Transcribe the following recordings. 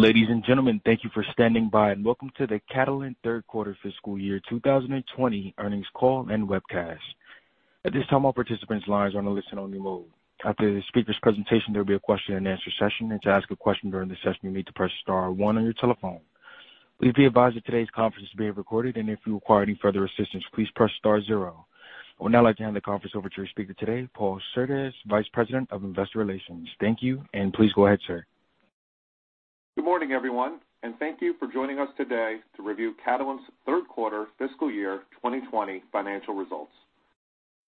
Ladies and gentlemen, thank you for standing by and welcome to the Catalent Third Quarter Fiscal Year 2020 Earnings Call and Webcast. At this time, all participants' lines are on a listen-only mode. After the speaker's presentation, there will be a question-and-answer session. To ask a question during the session, you'll need to press star one on your telephone. Please be advised that today's conference is being recorded, and if you require any further assistance, please press star zero. I would now like to hand the conference over to your speaker today, Paul Surdez, Vice President of Investor Relations. Thank you, and please go ahead, sir. Good morning, everyone, and thank you for joining us today to review Catalent's third quarter fiscal year 2020 financial results.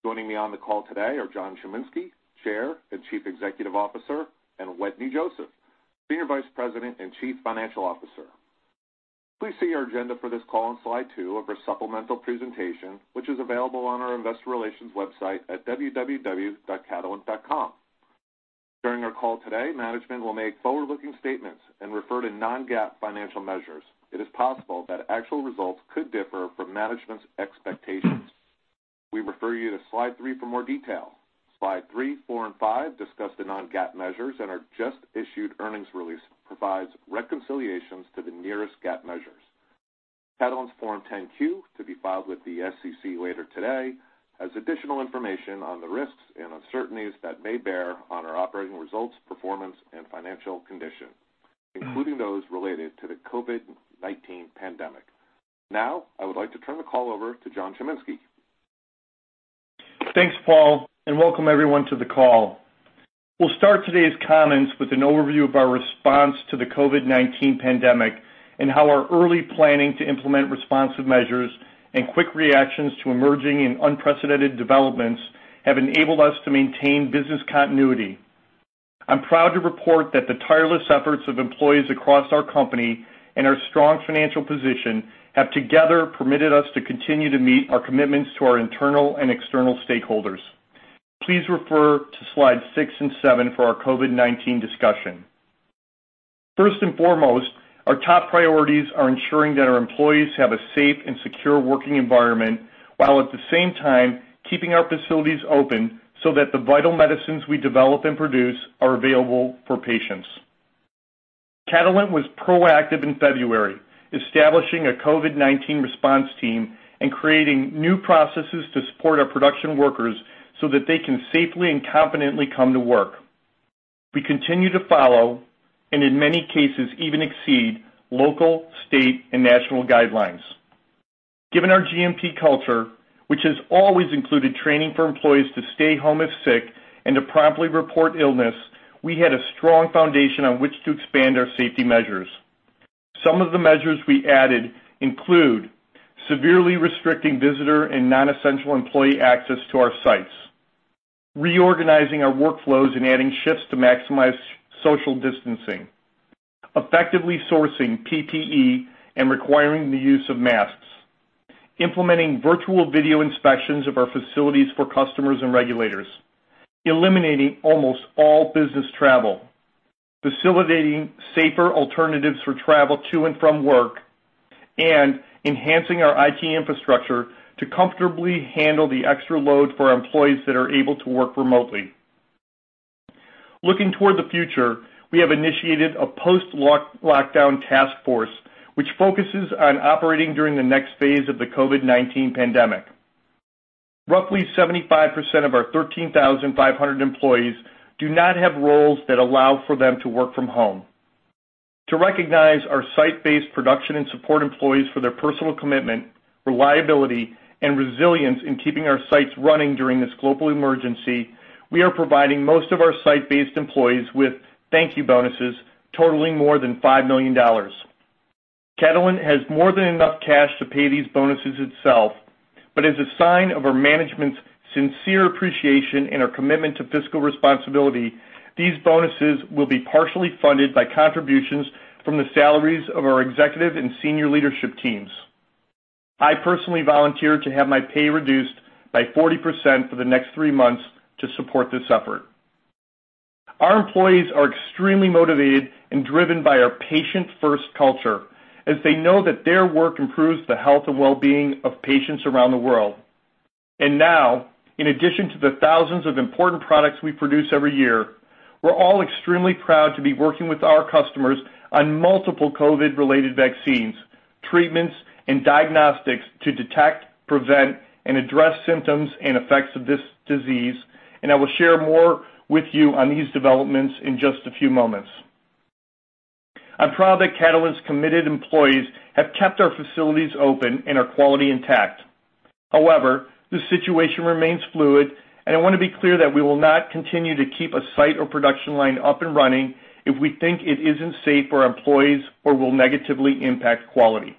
Joining me on the call today are John Chiminski, Chair and Chief Executive Officer, and Wetteny Joseph, Senior Vice President and Chief Financial Officer. Please see our agenda for this call on slide two of our supplemental presentation, which is available on our Investor Relations website at www.catalent.com. During our call today, management will make forward-looking statements and refer to non-GAAP financial measures. It is possible that actual results could differ from management's expectations. We refer you to slide three for more detail. Slide three, four, and five discuss the non-GAAP measures and our just-issued earnings release provides reconciliations to the nearest GAAP measures. Catalent's Form 10-Q, to be filed with the SEC later today, has additional information on the risks and uncertainties that may bear on our operating results, performance, and financial condition, including those related to the COVID-19 pandemic. Now, I would like to turn the call over to John Chiminski. Thanks, Paul, and welcome everyone to the call. We'll start today's comments with an overview of our response to the COVID-19 pandemic and how our early planning to implement responsive measures and quick reactions to emerging and unprecedented developments have enabled us to maintain business continuity. I'm proud to report that the tireless efforts of employees across our company and our strong financial position have together permitted us to continue to meet our commitments to our internal and external stakeholders. Please refer to slides six and seven for our COVID-19 discussion. First and foremost, our top priorities are ensuring that our employees have a safe and secure working environment while at the same time keeping our facilities open so that the vital medicines we develop and produce are available for patients. Catalent was proactive in February, establishing a COVID-19 response team and creating new processes to support our production workers so that they can safely and confidently come to work. We continue to follow, and in many cases even exceed, local, state, and national guidelines. Given our GMP culture, which has always included training for employees to stay home if sick and to promptly report illness, we had a strong foundation on which to expand our safety measures. Some of the measures we added include severely restricting visitor and non-essential employee access to our sites, reorganizing our workflows and adding shifts to maximize social distancing, effectively sourcing PPE and requiring the use of masks, implementing virtual video inspections of our facilities for customers and regulators, eliminating almost all business travel, facilitating safer alternatives for travel to and from work, and enhancing our IT infrastructure to comfortably handle the extra load for our employees that are able to work remotely. Looking toward the future, we have initiated a post-lockdown task force which focuses on operating during the next phase of the COVID-19 pandemic. Roughly 75% of our 13,500 employees do not have roles that allow for them to work from home. To recognize our site-based production and support employees for their personal commitment, reliability, and resilience in keeping our sites running during this global emergency, we are providing most of our site-based employees with thank-you bonuses totaling more than $5 million. Catalent has more than enough cash to pay these bonuses itself, but as a sign of our management's sincere appreciation and our commitment to fiscal responsibility, these bonuses will be partially funded by contributions from the salaries of our executive and senior leadership teams. I personally volunteered to have my pay reduced by 40% for the next three months to support this effort. Our employees are extremely motivated and driven by our patient-first culture as they know that their work improves the health and well-being of patients around the world. Now, in addition to the thousands of important products we produce every year, we're all extremely proud to be working with our customers on multiple COVID-related vaccines, treatments, and diagnostics to detect, prevent, and address symptoms and effects of this disease, and I will share more with you on these developments in just a few moments. I'm proud that Catalent's committed employees have kept our facilities open and our quality intact. However, the situation remains fluid, and I want to be clear that we will not continue to keep a site or production line up and running if we think it isn't safe for our employees or will negatively impact quality.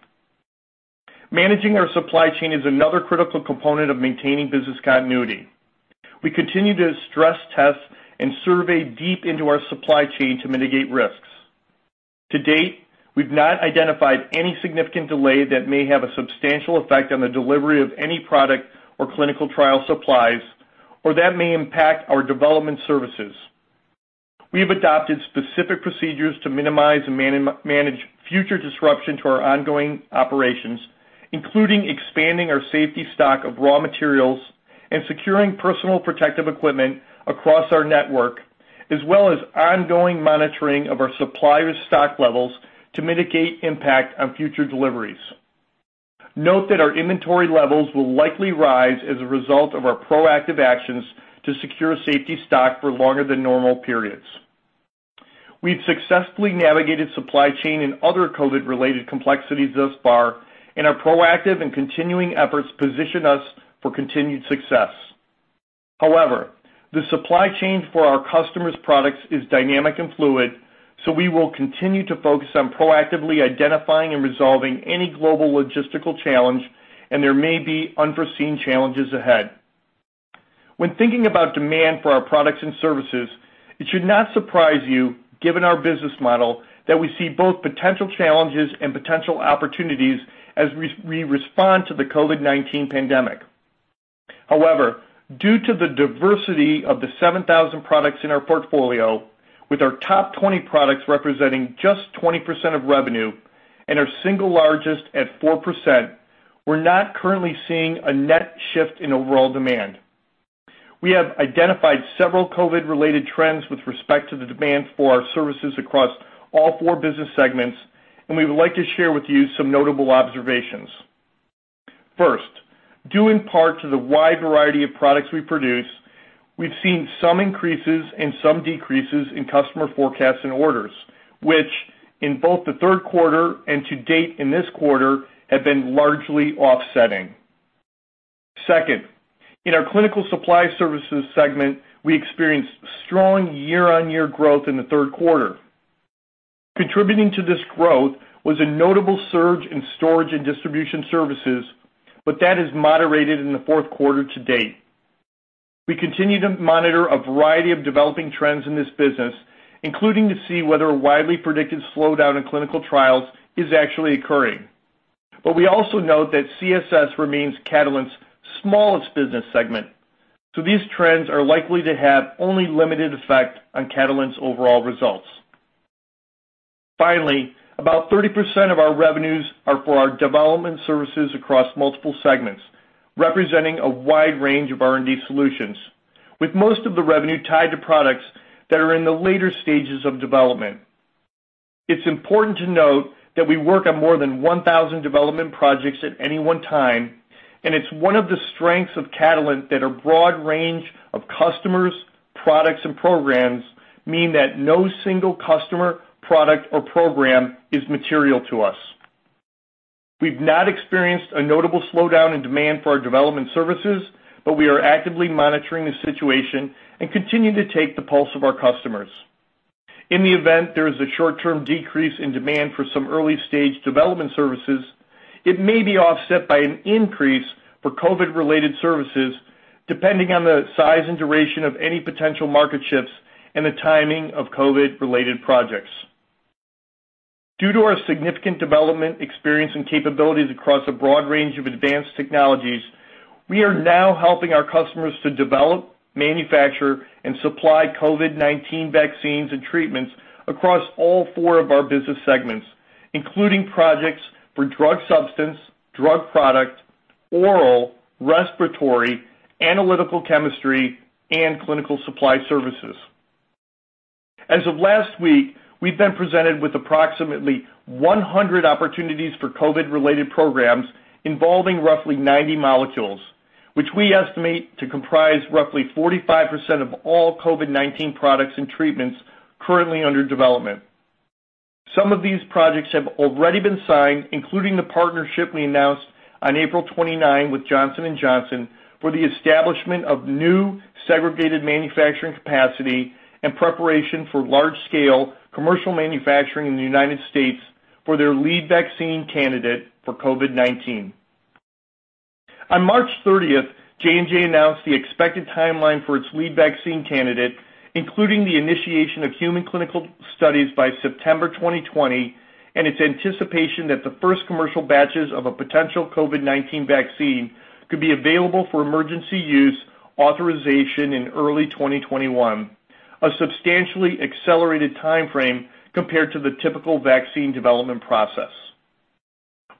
Managing our supply chain is another critical component of maintaining business continuity. We continue to stress test and survey deep into our supply chain to mitigate risks. To date, we've not identified any significant delay that may have a substantial effect on the delivery of any product or clinical trial supplies or that may impact our development services. We have adopted specific procedures to minimize and manage future disruption to our ongoing operations, including expanding our safety stock of raw materials and securing personal protective equipment across our network, as well as ongoing monitoring of our supplier stock levels to mitigate impact on future deliveries. Note that our inventory levels will likely rise as a result of our proactive actions to secure safety stock for longer than normal periods. We've successfully navigated supply chain and other COVID-related complexities thus far, and our proactive and continuing efforts position us for continued success. However, the supply chain for our customers' products is dynamic and fluid, so we will continue to focus on proactively identifying and resolving any global logistical challenge, and there may be unforeseen challenges ahead. When thinking about demand for our products and services, it should not surprise you, given our business model, that we see both potential challenges and potential opportunities as we respond to the COVID-19 pandemic. However, due to the diversity of the 7,000 products in our portfolio, with our top 20 products representing just 20% of revenue and our single largest at 4%, we're not currently seeing a net shift in overall demand. We have identified several COVID-related trends with respect to the demand for our services across all four business segments, and we would like to share with you some notable observations. First, due in part to the wide variety of products we produce, we've seen some increases and some decreases in customer forecasts and orders, which, in both the third quarter and to date in this quarter, have been largely offsetting. Second, in our clinical supply services segment, we experienced strong year-on-year growth in the third quarter. Contributing to this growth was a notable surge in storage and distribution services, but that is moderated in the fourth quarter to date. We continue to monitor a variety of developing trends in this business, including to see whether a widely predicted slowdown in clinical trials is actually occurring, but we also note that CSS remains Catalent's smallest business segment, so these trends are likely to have only limited effect on Catalent's overall results. Finally, about 30% of our revenues are for our development services across multiple segments, representing a wide range of R&D solutions, with most of the revenue tied to products that are in the later stages of development. It's important to note that we work on more than 1,000 development projects at any one time, and it's one of the strengths of Catalent that our broad range of customers, products, and programs means that no single customer, product, or program is material to us. We've not experienced a notable slowdown in demand for our development services, but we are actively monitoring the situation and continue to take the pulse of our customers. In the event there is a short-term decrease in demand for some early-stage development services, it may be offset by an increase for COVID-related services, depending on the size and duration of any potential market shifts and the timing of COVID-related projects. Due to our significant development experience and capabilities across a broad range of advanced technologies, we are now helping our customers to develop, manufacture, and supply COVID-19 vaccines and treatments across all four of our business segments, including projects for drug substance, drug product, oral, respiratory, analytical chemistry, and clinical supply services. As of last week, we've been presented with approximately 100 opportunities for COVID-related programs involving roughly 90 molecules, which we estimate to comprise roughly 45% of all COVID-19 products and treatments currently under development. Some of these projects have already been signed, including the partnership we announced on April 29 with Johnson & Johnson for the establishment of new segregated manufacturing capacity and preparation for large-scale commercial manufacturing in the United States for their lead vaccine candidate for COVID-19. On March 30th, J&J announced the expected timeline for its lead vaccine candidate, including the initiation of human clinical studies by September 2020 and its anticipation that the first commercial batches of a potential COVID-19 vaccine could be available for emergency use authorization in early 2021, a substantially accelerated timeframe compared to the typical vaccine development process.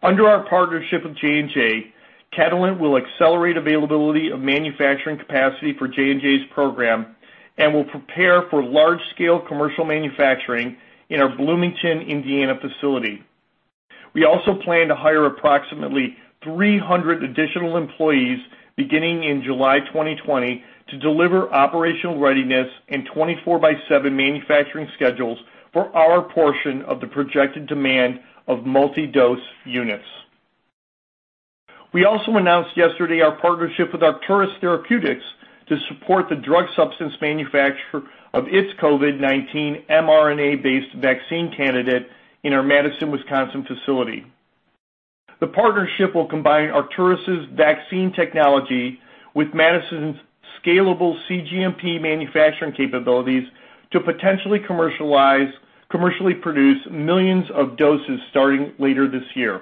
Under our partnership with J&J, Catalent will accelerate availability of manufacturing capacity for J&J's program and will prepare for large-scale commercial manufacturing in our Bloomington, Indiana, facility. We also plan to hire approximately 300 additional employees beginning in July 2020 to deliver operational readiness and 24/7 manufacturing schedules for our portion of the projected demand of multi-dose units. We also announced yesterday our partnership with Arcturus Therapeutics to support the drug substance manufacturing of its COVID-19 mRNA-based vaccine candidate in our Madison, Wisconsin facility. The partnership will combine Arcturus' vaccine technology with Madison's scalable CGMP manufacturing capabilities to potentially commercially produce millions of doses starting later this year.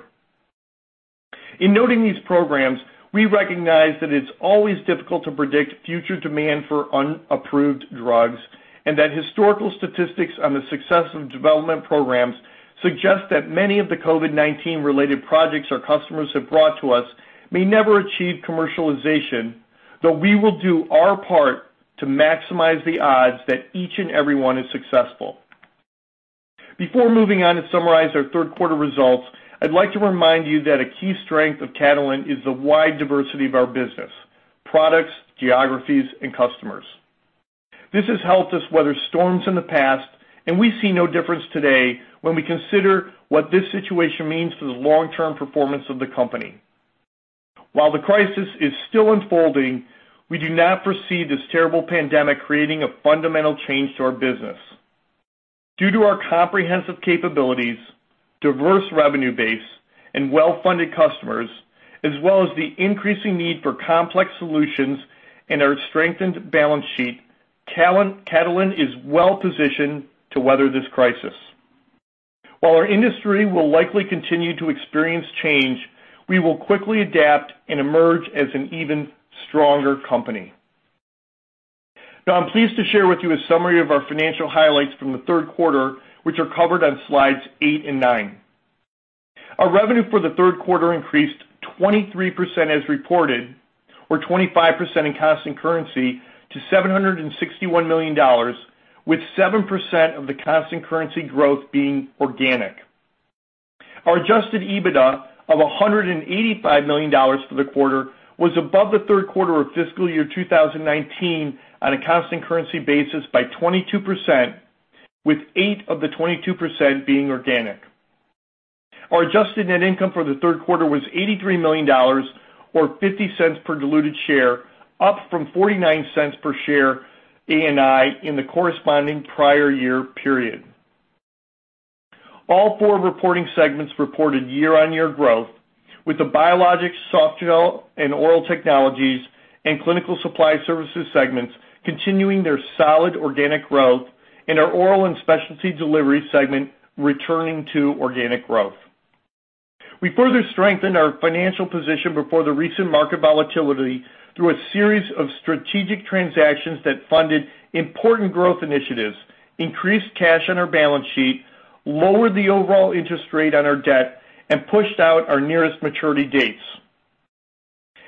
In noting these programs, we recognize that it's always difficult to predict future demand for unapproved drugs and that historical statistics on the success of development programs suggest that many of the COVID-19-related projects our customers have brought to us may never achieve commercialization, though we will do our part to maximize the odds that each and every one is successful. Before moving on to summarize our third-quarter results, I'd like to remind you that a key strength of Catalent is the wide diversity of our business, products, geographies, and customers. This has helped us weather storms in the past, and we see no difference today when we consider what this situation means for the long-term performance of the company. While the crisis is still unfolding, we do not foresee this terrible pandemic creating a fundamental change to our business. Due to our comprehensive capabilities, diverse revenue base, and well-funded customers, as well as the increasing need for complex solutions and our strengthened balance sheet, Catalent is well-positioned to weather this crisis. While our industry will likely continue to experience change, we will quickly adapt and emerge as an even stronger company. Now, I'm pleased to share with you a summary of our financial highlights from the third quarter, which are covered on slides 8 and 9. Our revenue for the third quarter increased 23% as reported, or 25% in constant currency, to $761 million, with 7% of the constant currency growth being organic. Our Adjusted EBITDA of $185 million for the quarter was above the third quarter of fiscal year 2019 on a constant currency basis by 22%, with eight of the 22% being organic. Our adjusted net income for the third quarter was $83 million, or $0.50 per diluted share, up from $0.49 per share ANI in the corresponding prior year period. All four reporting segments reported year-on-year growth, with the biologics, softgel, and oral technologies and clinical supply services segments continuing their solid organic growth, and our oral and specialty delivery segment returning to organic growth. We further strengthened our financial position before the recent market volatility through a series of strategic transactions that funded important growth initiatives, increased cash on our balance sheet, lowered the overall interest rate on our debt, and pushed out our nearest maturity dates.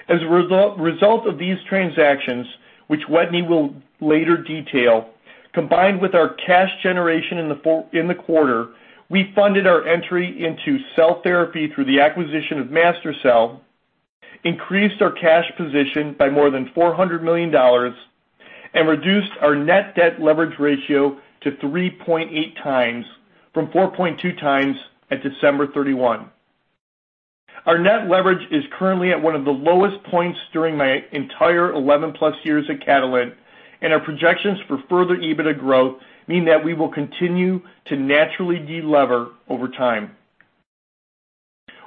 As a result of these transactions, which Wetteny will later detail, combined with our cash generation in the quarter, we funded our entry into cell therapy through the acquisition of MaSTherCell, increased our cash position by more than $400 million, and reduced our net debt leverage ratio to 3.8 times from 4.2 times at December 31. Our net leverage is currently at one of the lowest points during my entire 11-plus years at Catalent, and our projections for further EBITDA growth mean that we will continue to naturally delever over time.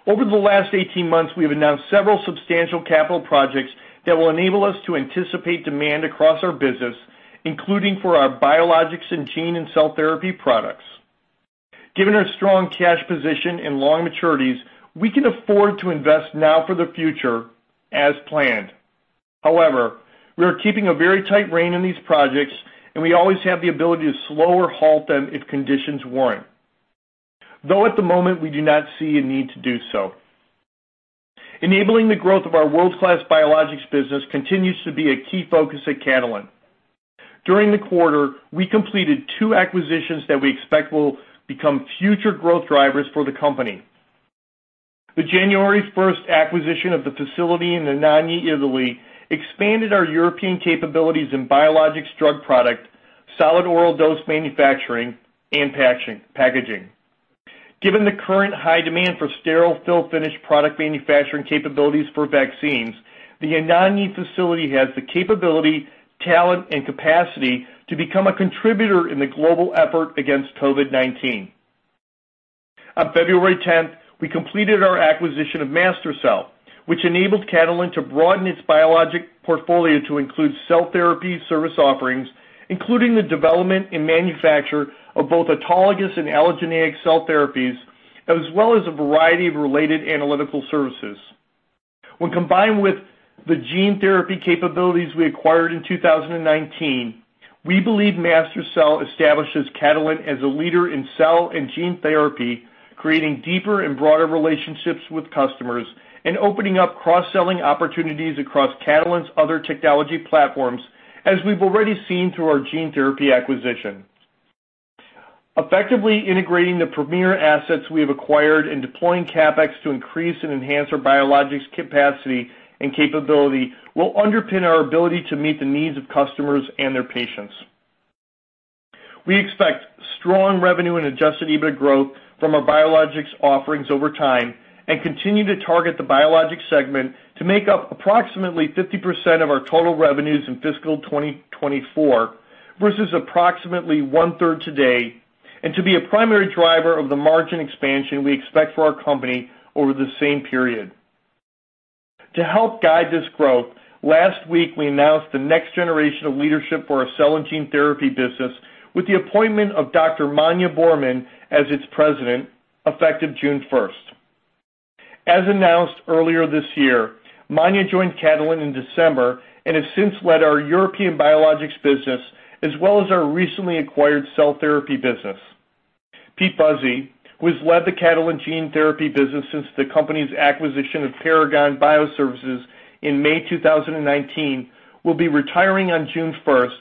Over the last 18 months, we have announced several substantial capital projects that will enable us to anticipate demand across our business, including for our biologics and gene and cell therapy products. Given our strong cash position and long maturities, we can afford to invest now for the future as planned. However, we are keeping a very tight rein in these projects, and we always have the ability to slow or halt them if conditions warrant, though at the moment we do not see a need to do so. Enabling the growth of our world-class biologics business continues to be a key focus at Catalent. During the quarter, we completed two acquisitions that we expect will become future growth drivers for the company. The January 1st acquisition of the facility in Anagni, Italy, expanded our European capabilities in biologics drug product, solid oral dose manufacturing, and packaging. Given the current high demand for sterile fill-finish product manufacturing capabilities for vaccines, the Anagni facility has the capability, talent, and capacity to become a contributor in the global effort against COVID-19. On February 10th, we completed our acquisition of MaSTherCell, which enabled Catalent to broaden its biologic portfolio to include cell therapy service offerings, including the development and manufacture of both autologous and allogeneic cell therapies, as well as a variety of related analytical services. When combined with the gene therapy capabilities we acquired in 2019, we believe MaSTherCell establishes Catalent as a leader in cell and gene therapy, creating deeper and broader relationships with customers and opening up cross-selling opportunities across Catalent's other technology platforms, as we've already seen through our gene therapy acquisition. Effectively integrating the premier assets we have acquired and deploying CapEx to increase and enhance our biologics capacity and capability will underpin our ability to meet the needs of customers and their patients. We expect strong revenue and Adjusted EBITDA growth from our biologics offerings over time and continue to target the biologics segment to make up approximately 50% of our total revenues in fiscal 2024 versus approximately one-third today, and to be a primary driver of the margin expansion we expect for our company over the same period. To help guide this growth, last week we announced the next generation of leadership for our cell and gene therapy business with the appointment of Dr. Manja Boerman as its president, effective June 1st. As announced earlier this year, Manja joined Catalent in December and has since led our European biologics business as well as our recently acquired cell therapy business. Pete Buzy, who has led the Catalent gene therapy business since the company's acquisition of Paragon Bioservices in May 2019, will be retiring on June 1st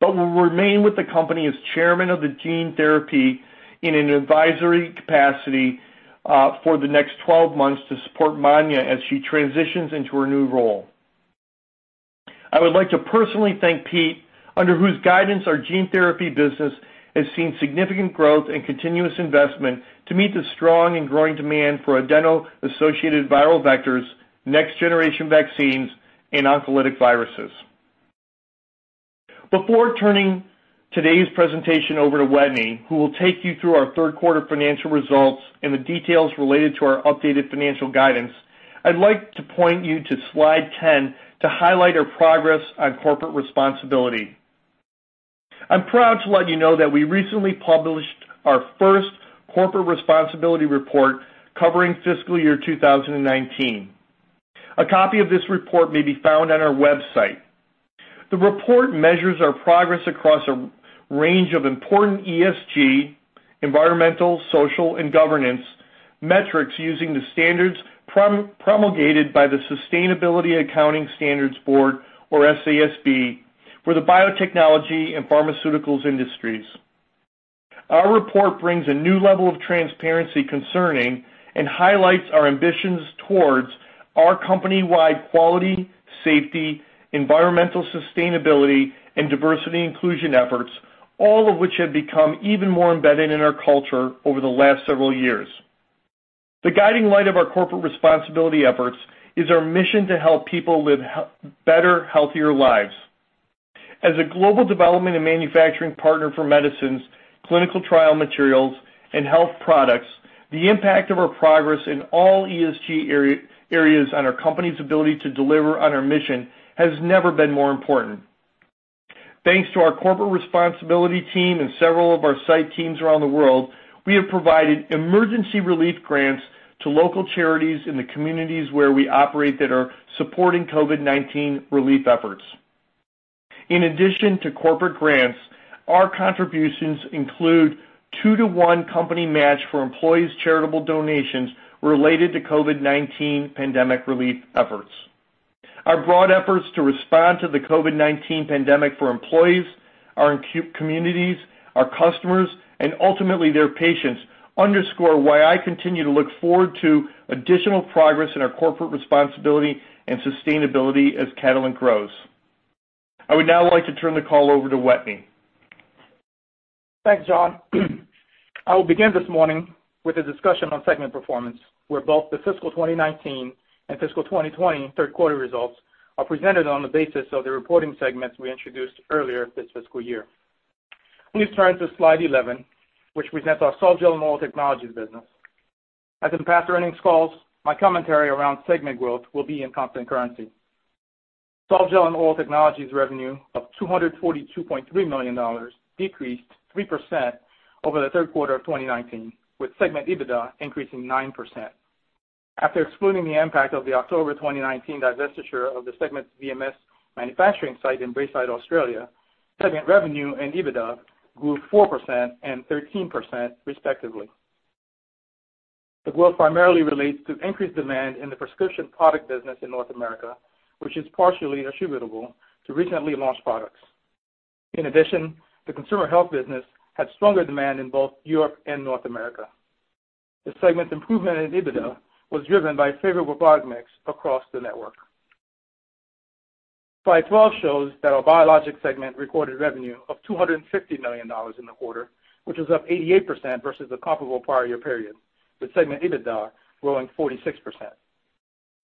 but will remain with the company as chairman of the gene therapy in an advisory capacity for the next 12 months to support Manja as she transitions into her new role. I would like to personally thank Pete, under whose guidance our gene therapy business has seen significant growth and continuous investment to meet the strong and growing demand for adeno-associated viral vectors, next-generation vaccines, and oncolytic viruses. Before turning today's presentation over to Wetteny, who will take you through our third-quarter financial results and the details related to our updated financial guidance, I'd like to point you to slide 10 to highlight our progress on corporate responsibility. I'm proud to let you know that we recently published our first corporate responsibility report covering fiscal year 2019. A copy of this report may be found on our website. The report measures our progress across a range of important ESG, environmental, social, and governance metrics using the standards promulgated by the Sustainability Accounting Standards Board, or SASB, for the biotechnology and pharmaceuticals industries. Our report brings a new level of transparency concerning and highlights our ambitions towards our company-wide quality, safety, environmental sustainability, and diversity inclusion efforts, all of which have become even more embedded in our culture over the last several years. The guiding light of our corporate responsibility efforts is our mission to help people live better, healthier lives. As a global development and manufacturing partner for medicines, clinical trial materials, and health products, the impact of our progress in all ESG areas on our company's ability to deliver on our mission has never been more important. Thanks to our corporate responsibility team and several of our site teams around the world, we have provided emergency relief grants to local charities in the communities where we operate that are supporting COVID-19 relief efforts. In addition to corporate grants, our contributions include two-to-one company match for employees' charitable donations related to COVID-19 pandemic relief efforts. Our broad efforts to respond to the COVID-19 pandemic for employees, our communities, our customers, and ultimately their patients underscore why I continue to look forward to additional progress in our corporate responsibility and sustainability as Catalent grows. I would now like to turn the call over to Wetteny. Thanks, John. I will begin this morning with a discussion on segment performance, where both the fiscal 2019 and fiscal 2020 third quarter results are presented on the basis of the reporting segments we introduced earlier this fiscal year. Please turn to slide 11, which presents our Softgel and Oral Technologies business. As in past earnings calls, my commentary around segment growth will be in constant currency. Softgel and Oral Technologies revenue of $242.3 million decreased 3% over the third quarter of 2019, with segment EBITDA increasing 9%. After excluding the impact of the October 2019 divestiture of the segment's VMS manufacturing site in Braeside, Australia, segment revenue and EBITDA grew 4% and 13%, respectively. The growth primarily relates to increased demand in the prescription product business in North America, which is partially attributable to recently launched products. In addition, the consumer health business had stronger demand in both Europe and North America. The segment's improvement in EBITDA was driven by favorable product mix across the network. Slide 12 shows that our Biologics segment recorded revenue of $250 million in the quarter, which was up 88% versus the comparable prior year period, with segment EBITDA growing 46%.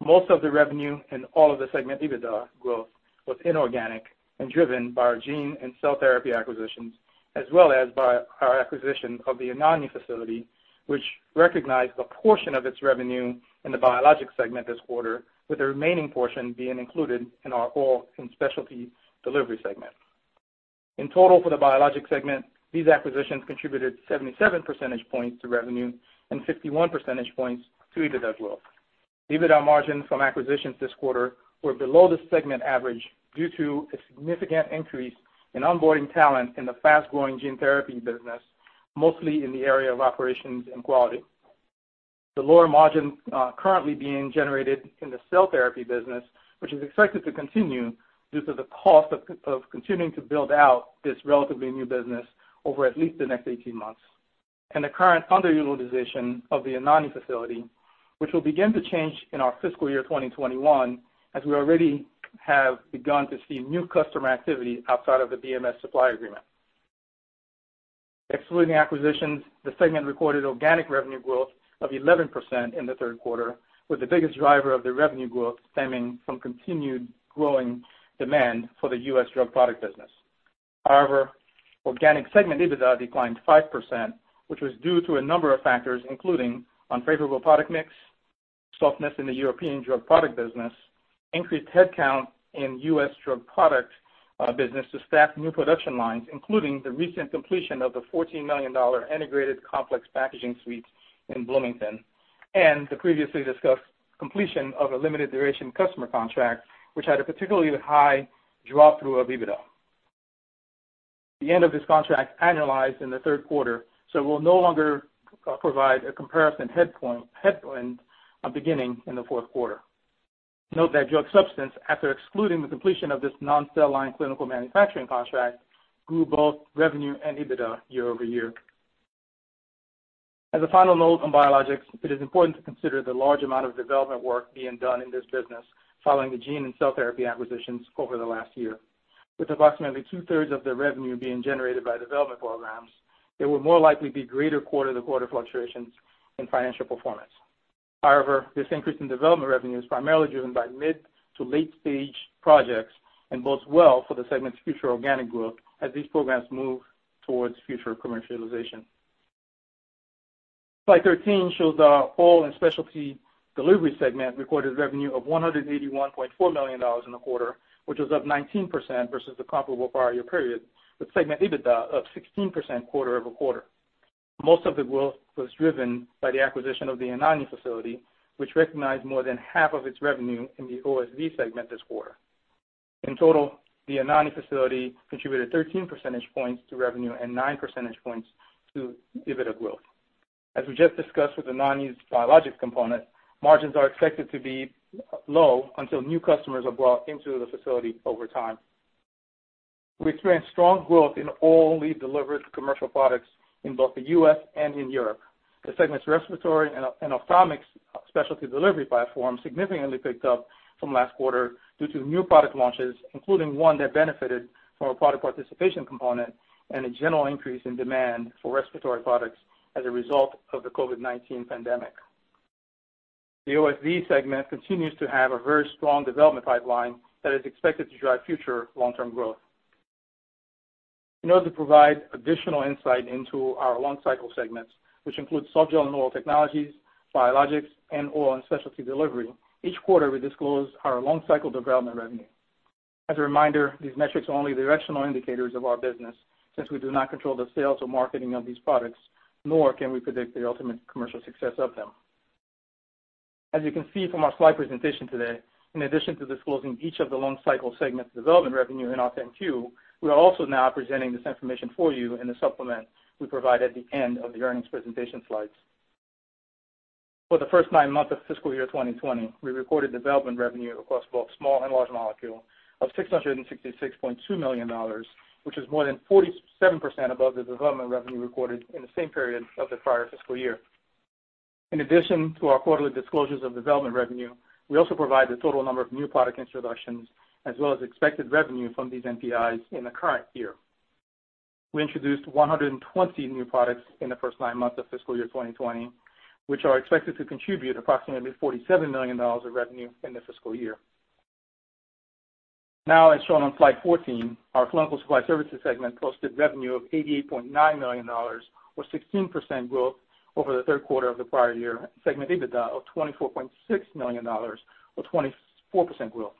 Most of the revenue in all of the segment EBITDA growth was inorganic and driven by our gene and cell therapy acquisitions, as well as by our acquisition of the Anagni facility, which recognized a portion of its revenue in the Biologics segment this quarter, with the remaining portion being included in our Oral and Specialty Delivery segment. In total, for the Biologics segment, these acquisitions contributed 77 percentage points to revenue and 51 percentage points to EBITDA growth. EBITDA margins from acquisitions this quarter were below the segment average due to a significant increase in onboarding talent in the fast-growing gene therapy business, mostly in the area of operations and quality. The lower margin currently being generated in the cell therapy business, which is expected to continue due to the cost of continuing to build out this relatively new business over at least the next 18 months, and the current underutilization of the Anagni facility, which will begin to change in our fiscal year 2021, as we already have begun to see new customer activity outside of the BMS supply agreement. Excluding acquisitions, the segment recorded organic revenue growth of 11% in the third quarter, with the biggest driver of the revenue growth stemming from continued growing demand for the U.S. drug product business. However, organic segment EBITDA declined 5%, which was due to a number of factors, including unfavorable product mix, softness in the European drug product business, increased headcount in U.S. drug product business to staff new production lines, including the recent completion of the $14 million integrated complex packaging suite in Bloomington, and the previously discussed completion of a limited duration customer contract, which had a particularly high draw-through of EBITDA. The end of this contract annualized in the third quarter, so it will no longer provide a comparison headwind beginning in the fourth quarter. Note that drug substance, after excluding the completion of this non-cell line clinical manufacturing contract, grew both revenue and EBITDA year-over-year. As a final note on biologics, it is important to consider the large amount of development work being done in this business following the gene and cell therapy acquisitions over the last year. With approximately two-thirds of the revenue being generated by development programs, there will more likely be greater quarter-to-quarter fluctuations in financial performance. However, this increase in development revenue is primarily driven by mid to late-stage projects and bodes well for the segment's future organic growth as these programs move towards future commercialization. Slide 13 shows our oral and specialty delivery segment recorded revenue of $181.4 million in the quarter, which was up 19% versus the comparable prior year period, with segment EBITDA of 16% quarter over quarter. Most of the growth was driven by the acquisition of the Anagni facility, which recognized more than half of its revenue in the OSD segment this quarter. In total, the Anagni facility contributed 13 percentage points to revenue and 9 percentage points to EBITDA growth. As we just discussed with Anagni's biologics component, margins are expected to be low until new customers are brought into the facility over time. We experienced strong growth in all lead-delivered commercial products in both the U.S. and in Europe. The segment's respiratory and ophthalmics specialty delivery platform significantly picked up from last quarter due to new product launches, including one that benefited from a profit participation component and a general increase in demand for respiratory products as a result of the COVID-19 pandemic. The OSD segment continues to have a very strong development pipeline that is expected to drive future long-term growth. In order to provide additional insight into our long-cycle segments, which include softgel and oral technologies, biologics, and oral and specialty delivery, each quarter we disclose our long-cycle development revenue. As a reminder, these metrics are only directional indicators of our business, since we do not control the sales or marketing of these products, nor can we predict the ultimate commercial success of them. As you can see from our slide presentation today, in addition to disclosing each of the long-cycle segment's development revenue in our 10-Q, we are also now presenting this information for you in the supplement we provide at the end of the earnings presentation slides. For the first nine months of fiscal year 2020, we recorded development revenue across both small and large molecule of $666.2 million, which is more than 47% above the development revenue recorded in the same period of the prior fiscal year. In addition to our quarterly disclosures of development revenue, we also provide the total number of new product introductions as well as expected revenue from these NPIs in the current year. We introduced 120 new products in the first nine months of fiscal year 2020, which are expected to contribute approximately $47 million of revenue in the fiscal year. Now, as shown on slide 14, our clinical supply services segment posted revenue of $88.9 million, or 16% growth over the third quarter of the prior year, and segment EBITDA of $24.6 million, or 24% growth.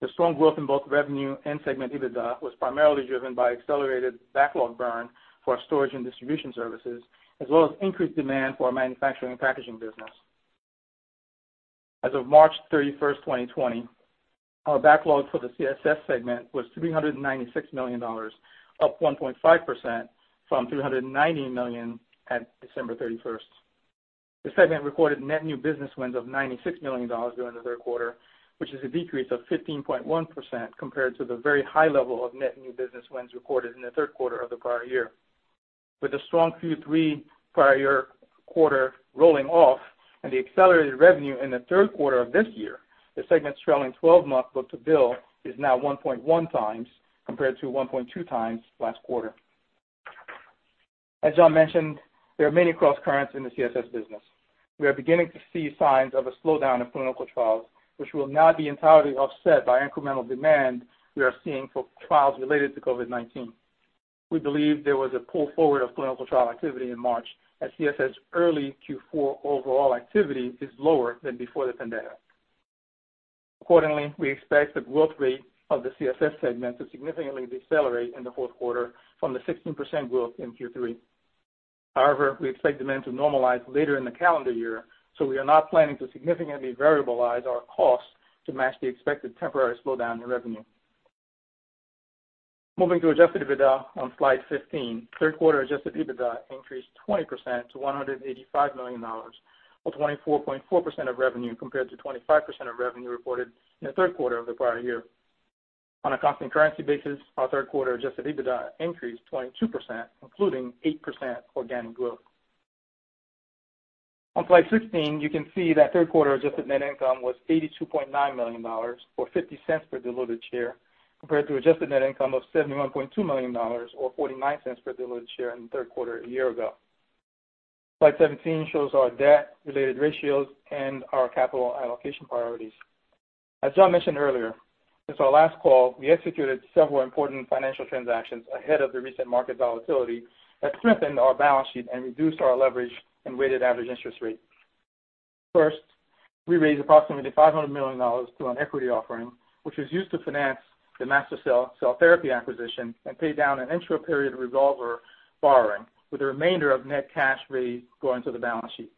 The strong growth in both revenue and segment EBITDA was primarily driven by accelerated backlog burn for our storage and distribution services, as well as increased demand for our manufacturing and packaging business. As of March 31st, 2020, our backlog for the CSS segment was $396 million, up 1.5% from $390 million at December 31st. The segment recorded net new business wins of $96 million during the third quarter, which is a decrease of 15.1% compared to the very high level of net new business wins recorded in the third quarter of the prior year. With the strong Q3 prior year quarter rolling off and the accelerated revenue in the third quarter of this year, the segment's trailing 12-month book-to-bill is now 1.1 times compared to 1.2 times last quarter. As John mentioned, there are many cross currents in the CSS business. We are beginning to see signs of a slowdown of clinical trials, which will now be entirely offset by incremental demand we are seeing for trials related to COVID-19. We believe there was a pull forward of clinical trial activity in March as CSS early Q4 overall activity is lower than before the pandemic. Accordingly, we expect the growth rate of the CSS segment to significantly decelerate in the fourth quarter from the 16% growth in Q3. However, we expect demand to normalize later in the calendar year, so we are not planning to significantly variabilize our costs to match the expected temporary slowdown in revenue. Moving to Adjusted EBITDA on slide 15, third-quarter Adjusted EBITDA increased 20% to $185 million, or 24.4% of revenue compared to 25% of revenue reported in the third quarter of the prior year. On a constant currency basis, our third quarter Adjusted EBITDA increased 22%, including 8% organic growth. On slide 16, you can see that third-quarter adjusted net income was $82.9 million, or $0.50 per diluted share, compared to adjusted net income of $71.2 million, or $0.49 per diluted share in the third quarter a year ago. Slide 17 shows our debt-related ratios and our capital allocation priorities. As John mentioned earlier, since our last call, we executed several important financial transactions ahead of the recent market volatility that strengthened our balance sheet and reduced our leverage and weighted average interest rate. First, we raised approximately $500 million through an equity offering, which was used to finance the MaSTherCell cell therapy acquisition and pay down an intra-period revolver borrowing, with the remainder of net cash raised going to the balance sheet.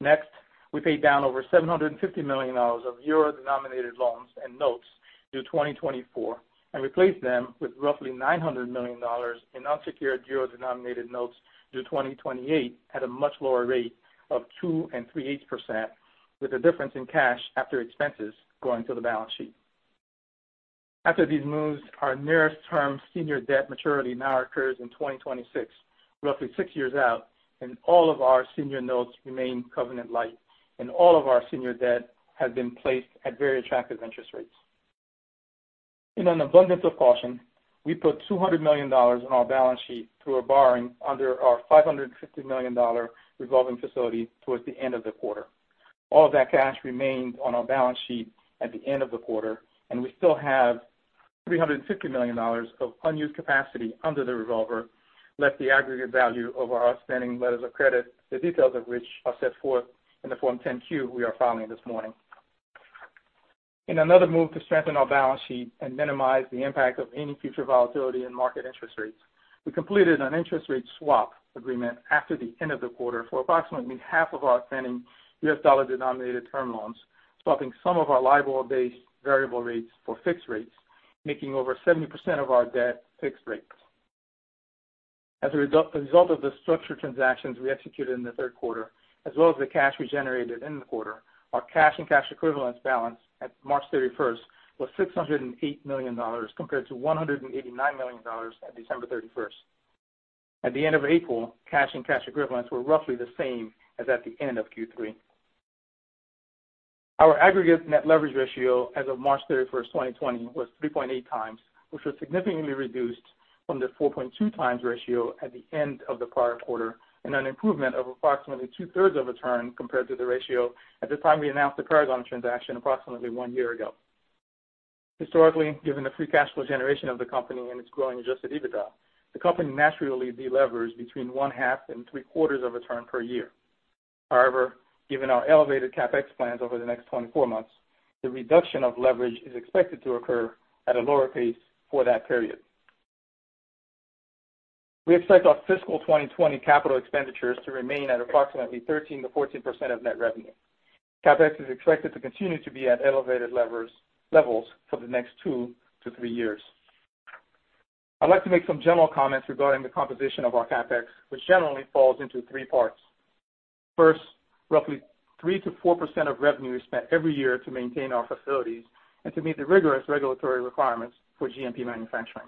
Next, we paid down over $750 million of Euro-denominated loans and notes due 2024 and replaced them with roughly $900 million in unsecured Euro-denominated notes due 2028 at a much lower rate of 2.0% and 3.8%, with a difference in cash after expenses going to the balance sheet. After these moves, our nearest term senior debt maturity now occurs in 2026, roughly six years out, and all of our senior notes remain covenant-lite, and all of our senior debt has been placed at very attractive interest rates. In an abundance of caution, we put $200 million on our balance sheet through a borrowing under our $550 million revolving facility towards the end of the quarter. All of that cash remained on our balance sheet at the end of the quarter, and we still have $350 million of unused capacity under the revolver, less the aggregate value of our outstanding letters of credit, the details of which are set forth in the Form 10-Q we are filing this morning. In another move to strengthen our balance sheet and minimize the impact of any future volatility in market interest rates, we completed an interest rate swap agreement after the end of the quarter for approximately half of our outstanding U.S. dollar-denominated term loans, swapping some of our LIBOR-based variable rates for fixed rates, making over 70% of our debt fixed rates. As a result of the structured transactions we executed in the third quarter, as well as the cash we generated in the quarter, our cash and cash equivalents balance at March 31st was $608 million compared to $189 million at December 31st. At the end of April, cash and cash equivalents were roughly the same as at the end of Q3. Our aggregate net leverage ratio as of March 31st, 2020, was 3.8 times, which was significantly reduced from the 4.2 times ratio at the end of the prior quarter, and an improvement of approximately two-thirds of a turn compared to the ratio at the time we announced the Paragon transaction approximately one year ago. Historically, given the free cash flow generation of the company and its growing Adjusted EBITDA, the company naturally delevers between one-half and three-quarters of a turn per year. However, given our elevated CapEx plans over the next 24 months, the reduction of leverage is expected to occur at a lower pace for that period. We expect our fiscal 2020 capital expenditures to remain at approximately 13% to 14% of net revenue. CapEx is expected to continue to be at elevated levels for the next two to three years. I'd like to make some general comments regarding the composition of our CapEx, which generally falls into three parts. First, roughly 3%-4% of revenue is spent every year to maintain our facilities and to meet the rigorous regulatory requirements for GMP manufacturing.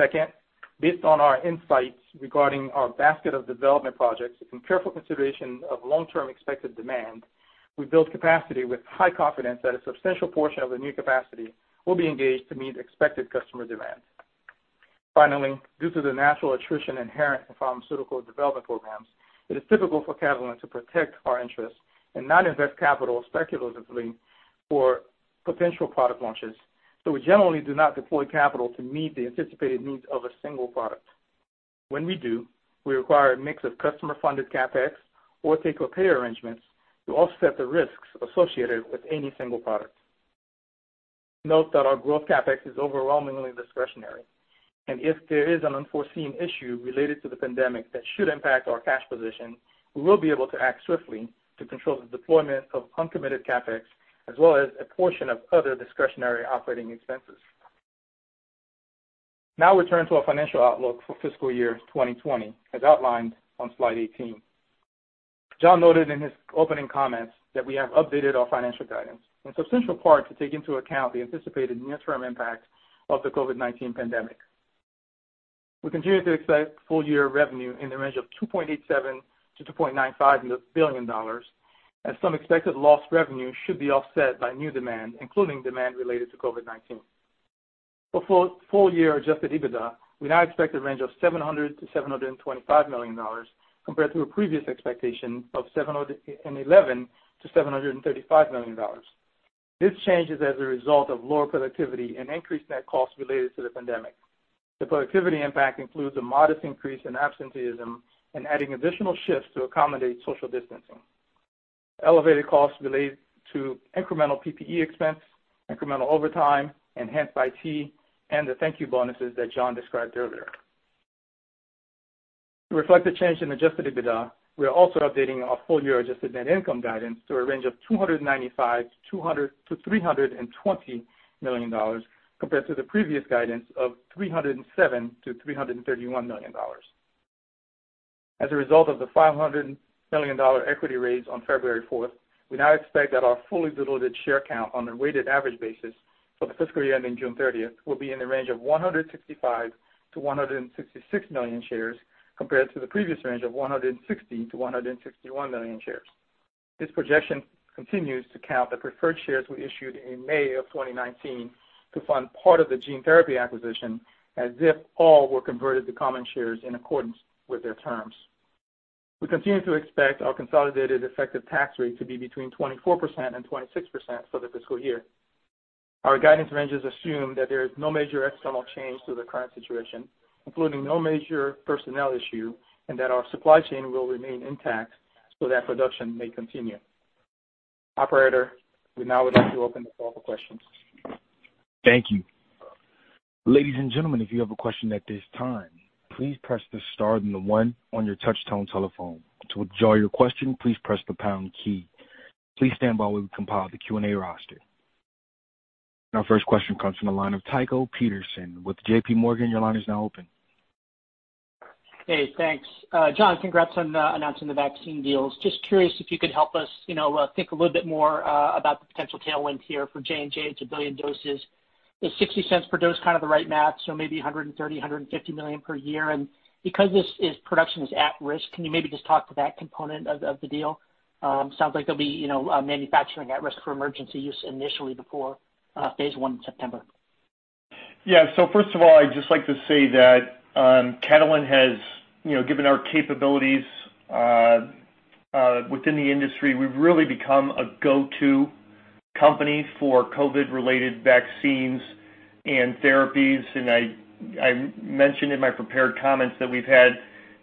Second, based on our insights regarding our basket of development projects and careful consideration of long-term expected demand, we build capacity with high confidence that a substantial portion of the new capacity will be engaged to meet expected customer demand. Finally, due to the natural attrition inherent in pharmaceutical development programs, it is typical for Catalent to protect our interests and not invest capital speculatively for potential product launches, so we generally do not deploy capital to meet the anticipated needs of a single product. When we do, we require a mix of customer-funded CapEx or take-or-pay arrangements to offset the risks associated with any single product. Note that our growth CapEx is overwhelmingly discretionary, and if there is an unforeseen issue related to the pandemic that should impact our cash position, we will be able to act swiftly to control the deployment of uncommitted CapEx as well as a portion of other discretionary operating expenses. Now, we turn to our financial outlook for fiscal year 2020, as outlined on slide 18. John noted in his opening comments that we have updated our financial guidance, in substantial part to take into account the anticipated near-term impact of the COVID-19 pandemic. We continue to expect full-year revenue in the range of $2.87-$2.95 billion, as some expected lost revenue should be offset by new demand, including demand related to COVID-19. For full-year Adjusted EBITDA, we now expect a range of $700-$725 million compared to a previous expectation of $711-$735 million. This change is as a result of lower productivity and increased net costs related to the pandemic. The productivity impact includes a modest increase in absenteeism and adding additional shifts to accommodate social distancing. Elevated costs relate to incremental PPE expense, incremental overtime, enhanced IT, and the thank-you bonuses that John described earlier. To reflect the change in Adjusted EBITDA, we are also updating our full-year adjusted net income guidance to a range of $295-$320 million compared to the previous guidance of $307-$331 million. As a result of the $500 million equity raise on February 4th, we now expect that our fully delivered share count on a weighted average basis for the fiscal year ending June 30th will be in the range of 165 to 166 million shares compared to the previous range of 160 to 161 million shares. This projection continues to count the preferred shares we issued in May of 2019 to fund part of the gene therapy acquisition, as if all were converted to common shares in accordance with their terms. We continue to expect our consolidated effective tax rate to be between 24% and 26% for the fiscal year. Our guidance ranges assume that there is no major external change to the current situation, including no major personnel issue, and that our supply chain will remain intact so that production may continue. Operator, we now would like to open the call for questions. Thank you. Ladies and gentlemen, if you have a question at this time, please press the star and the one on your touch-tone telephone. To withdraw your question, please press the pound key. Please stand by while we compile the Q&A roster. Our first question comes from the line of Tycho Peterson with JPMorgan. Your line is now open. Hey, thanks. John, congrats on announcing the vaccine deals. Just curious if you could help us think a little bit more about the potential tailwind here for J&J, two billion doses. Is $0.60 per dose kind of the right math? So maybe $130-150 million per year? And because this production is at risk, can you maybe just talk to that component of the deal? Sounds like there'll be manufacturing at risk for emergency use initially before phase one in September. Yeah, so first of all, I'd just like to say that Catalent has given our capabilities within the industry. We've really become a go-to company for COVID-related vaccines and therapies, and I mentioned in my prepared comments that we've had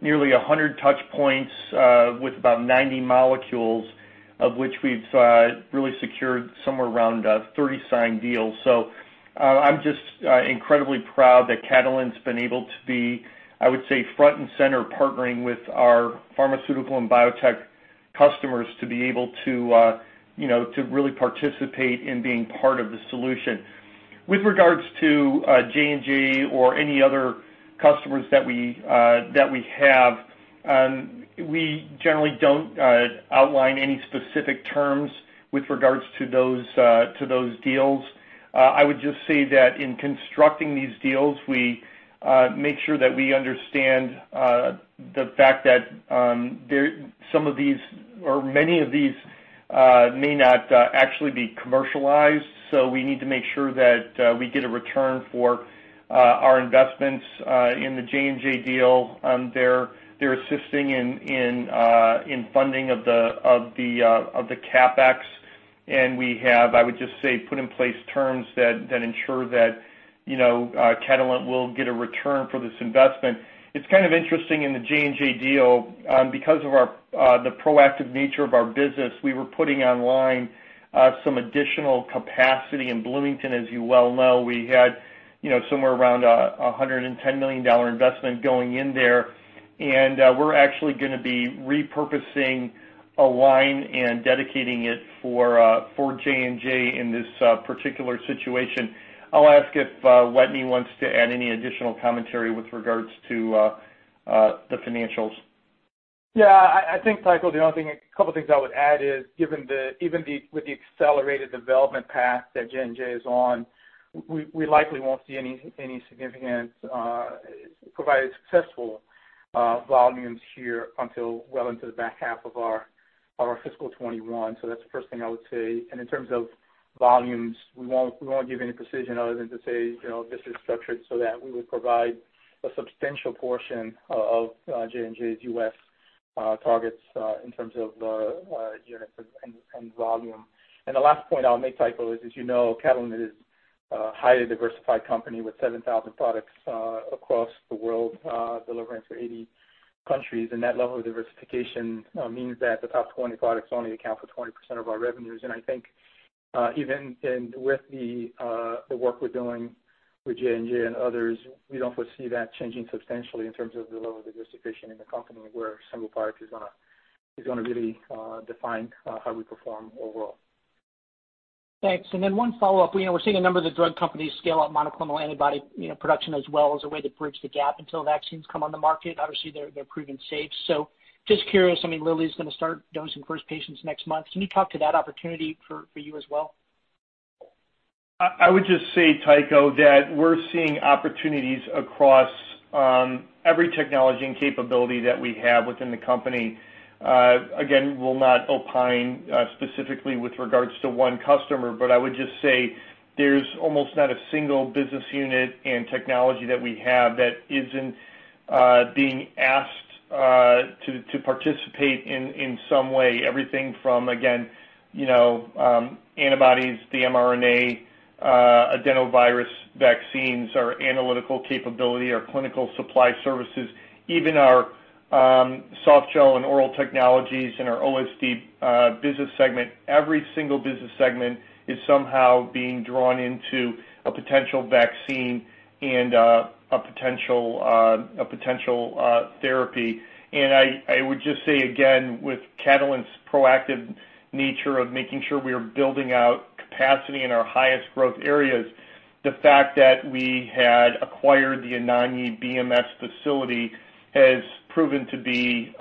nearly 100 touch points with about 90 molecules, of which we've really secured somewhere around 30 signed deals, so I'm just incredibly proud that Catalent's been able to be, I would say, front and center partnering with our pharmaceutical and biotech customers to be able to really participate in being part of the solution. With regards to J&J or any other customers that we have, we generally don't outline any specific terms with regards to those deals. I would just say that in constructing these deals, we make sure that we understand the fact that some of these or many of these may not actually be commercialized, so we need to make sure that we get a return for our investments in the J&J deal. They're assisting in funding of the CapEx, and we have, I would just say, put in place terms that ensure that Catalent will get a return for this investment. It's kind of interesting in the J&J deal, because of the proactive nature of our business, we were putting online some additional capacity in Bloomington, as you well know. We had somewhere around a $110 million investment going in there, and we're actually going to be repurposing a line and dedicating it for J&J in this particular situation. I'll ask if Wetteny wants to add any additional commentary with regards to the financials. Yeah, I think, Tycho, the only thing a couple of things I would add is, given with the accelerated development path that J&J is on, we likely won't see any significant provided successful volumes here until well into the back half of our fiscal 2021. So that's the first thing I would say. And in terms of volumes, we won't give any precision other than to say this is structured so that we would provide a substantial portion of J&J's U.S. targets in terms of units and volume. And the last point I'll make, Tycho, is, as you know, Catalent is a highly diversified company with 7,000 products across the world delivering to 80 countries, and that level of diversification means that the top 20 products only account for 20% of our revenues. And I think even with the work we're doing with J&J and others, we don't foresee that changing substantially in terms of the level of diversification in the company where a single product is going to really define how we perform overall. Thanks. And then one follow-up. We're seeing a number of the drug companies scale up monoclonal antibody production as well as a way to bridge the gap until vaccines come on the market. Obviously, they're proven safe. So just curious, I mean, Lilly's going to start dosing first patients next month. Can you talk to that opportunity for you as well? I would just say, Tycho, that we're seeing opportunities across every technology and capability that we have within the company. Again, we'll not opine specifically with regards to one customer, but I would just say there's almost not a single business unit and technology that we have that isn't being asked to participate in some way. Everything from, again, antibodies, the mRNA, adenovirus vaccines, our analytical capability, our clinical supply services, even our softgel and oral technologies and our OSD business segment, every single business segment is somehow being drawn into a potential vaccine and a potential therapy, and I would just say, again, with Catalent's proactive nature of making sure we are building out capacity in our highest growth areas, the fact that we had acquired the Anagni BMS facility has proven to be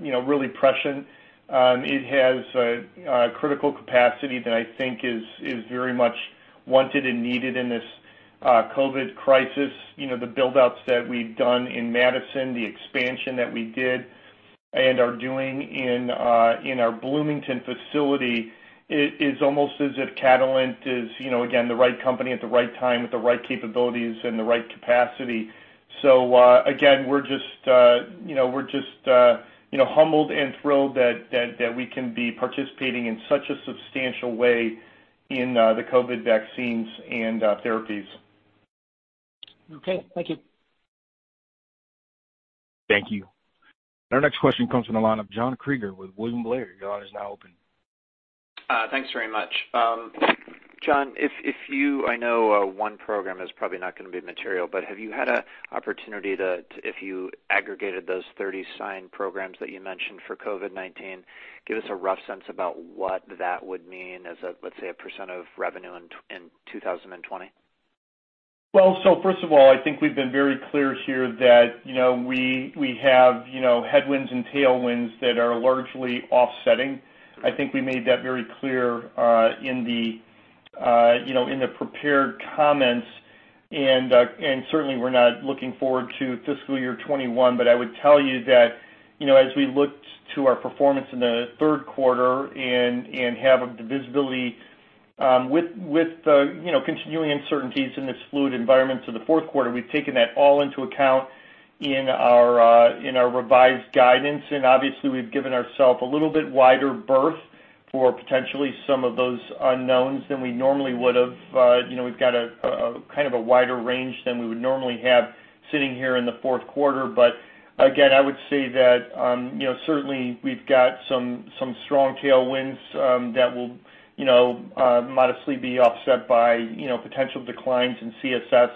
really prescient. It has critical capacity that I think is very much wanted and needed in this COVID crisis. The buildouts that we've done in Madison, the expansion that we did and are doing in our Bloomington facility is almost as if Catalent is, again, the right company at the right time with the right capabilities and the right capacity. So again, we're just humbled and thrilled that we can be participating in such a substantial way in the COVID vaccines and therapies. Okay, thank you. Thank you. Our next question comes from the line of John Kreger with William Blair. Your line is now open. Thanks very much. John, if you, I know one program is probably not going to be material, but have you had an opportunity to, if you aggregated those 30 signed programs that you mentioned for COVID-19, give us a rough sense about what that would mean as a, let's say, a percent of revenue in 2020? First of all, I think we've been very clear here that we have headwinds and tailwinds that are largely offsetting. I think we made that very clear in the prepared comments, and certainly, we're not looking forward to fiscal year 2021, but I would tell you that as we looked to our performance in the third quarter and have the visibility with the continuing uncertainties in this fluid environment to the fourth quarter, we've taken that all into account in our revised guidance, and obviously, we've given ourselves a little bit wider berth for potentially some of those unknowns than we normally would have. We've got a kind of a wider range than we would normally have sitting here in the fourth quarter. But again, I would say that certainly, we've got some strong tailwinds that will modestly be offset by potential declines in CSS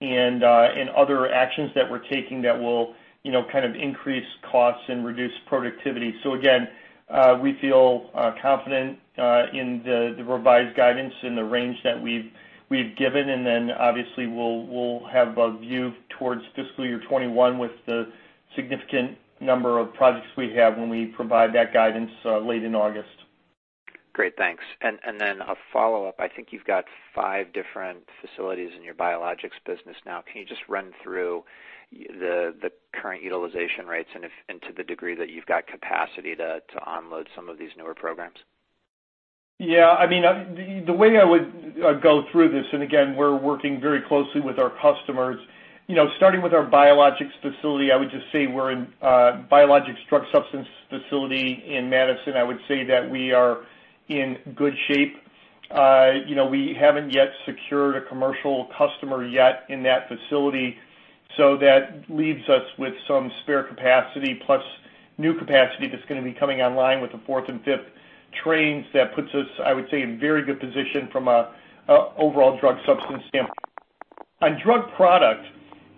and other actions that we're taking that will kind of increase costs and reduce productivity. So again, we feel confident in the revised guidance and the range that we've given, and then obviously, we'll have a view towards fiscal year 2021 with the significant number of projects we have when we provide that guidance late in August. Great, thanks. And then a follow-up, I think you've got five different facilities in your biologics business now. Can you just run through the current utilization rates and to the degree that you've got capacity to onload some of these newer programs? Yeah, I mean, the way I would go through this, and again, we're working very closely with our customers. Starting with our biologics facility, I would just say we're in biologics drug substance facility in Madison. I would say that we are in good shape. We haven't yet secured a commercial customer in that facility, so that leaves us with some spare capacity plus new capacity that's going to be coming online with the fourth and fifth trains. That puts us, I would say, in very good position from an overall drug substance standpoint. On drug product,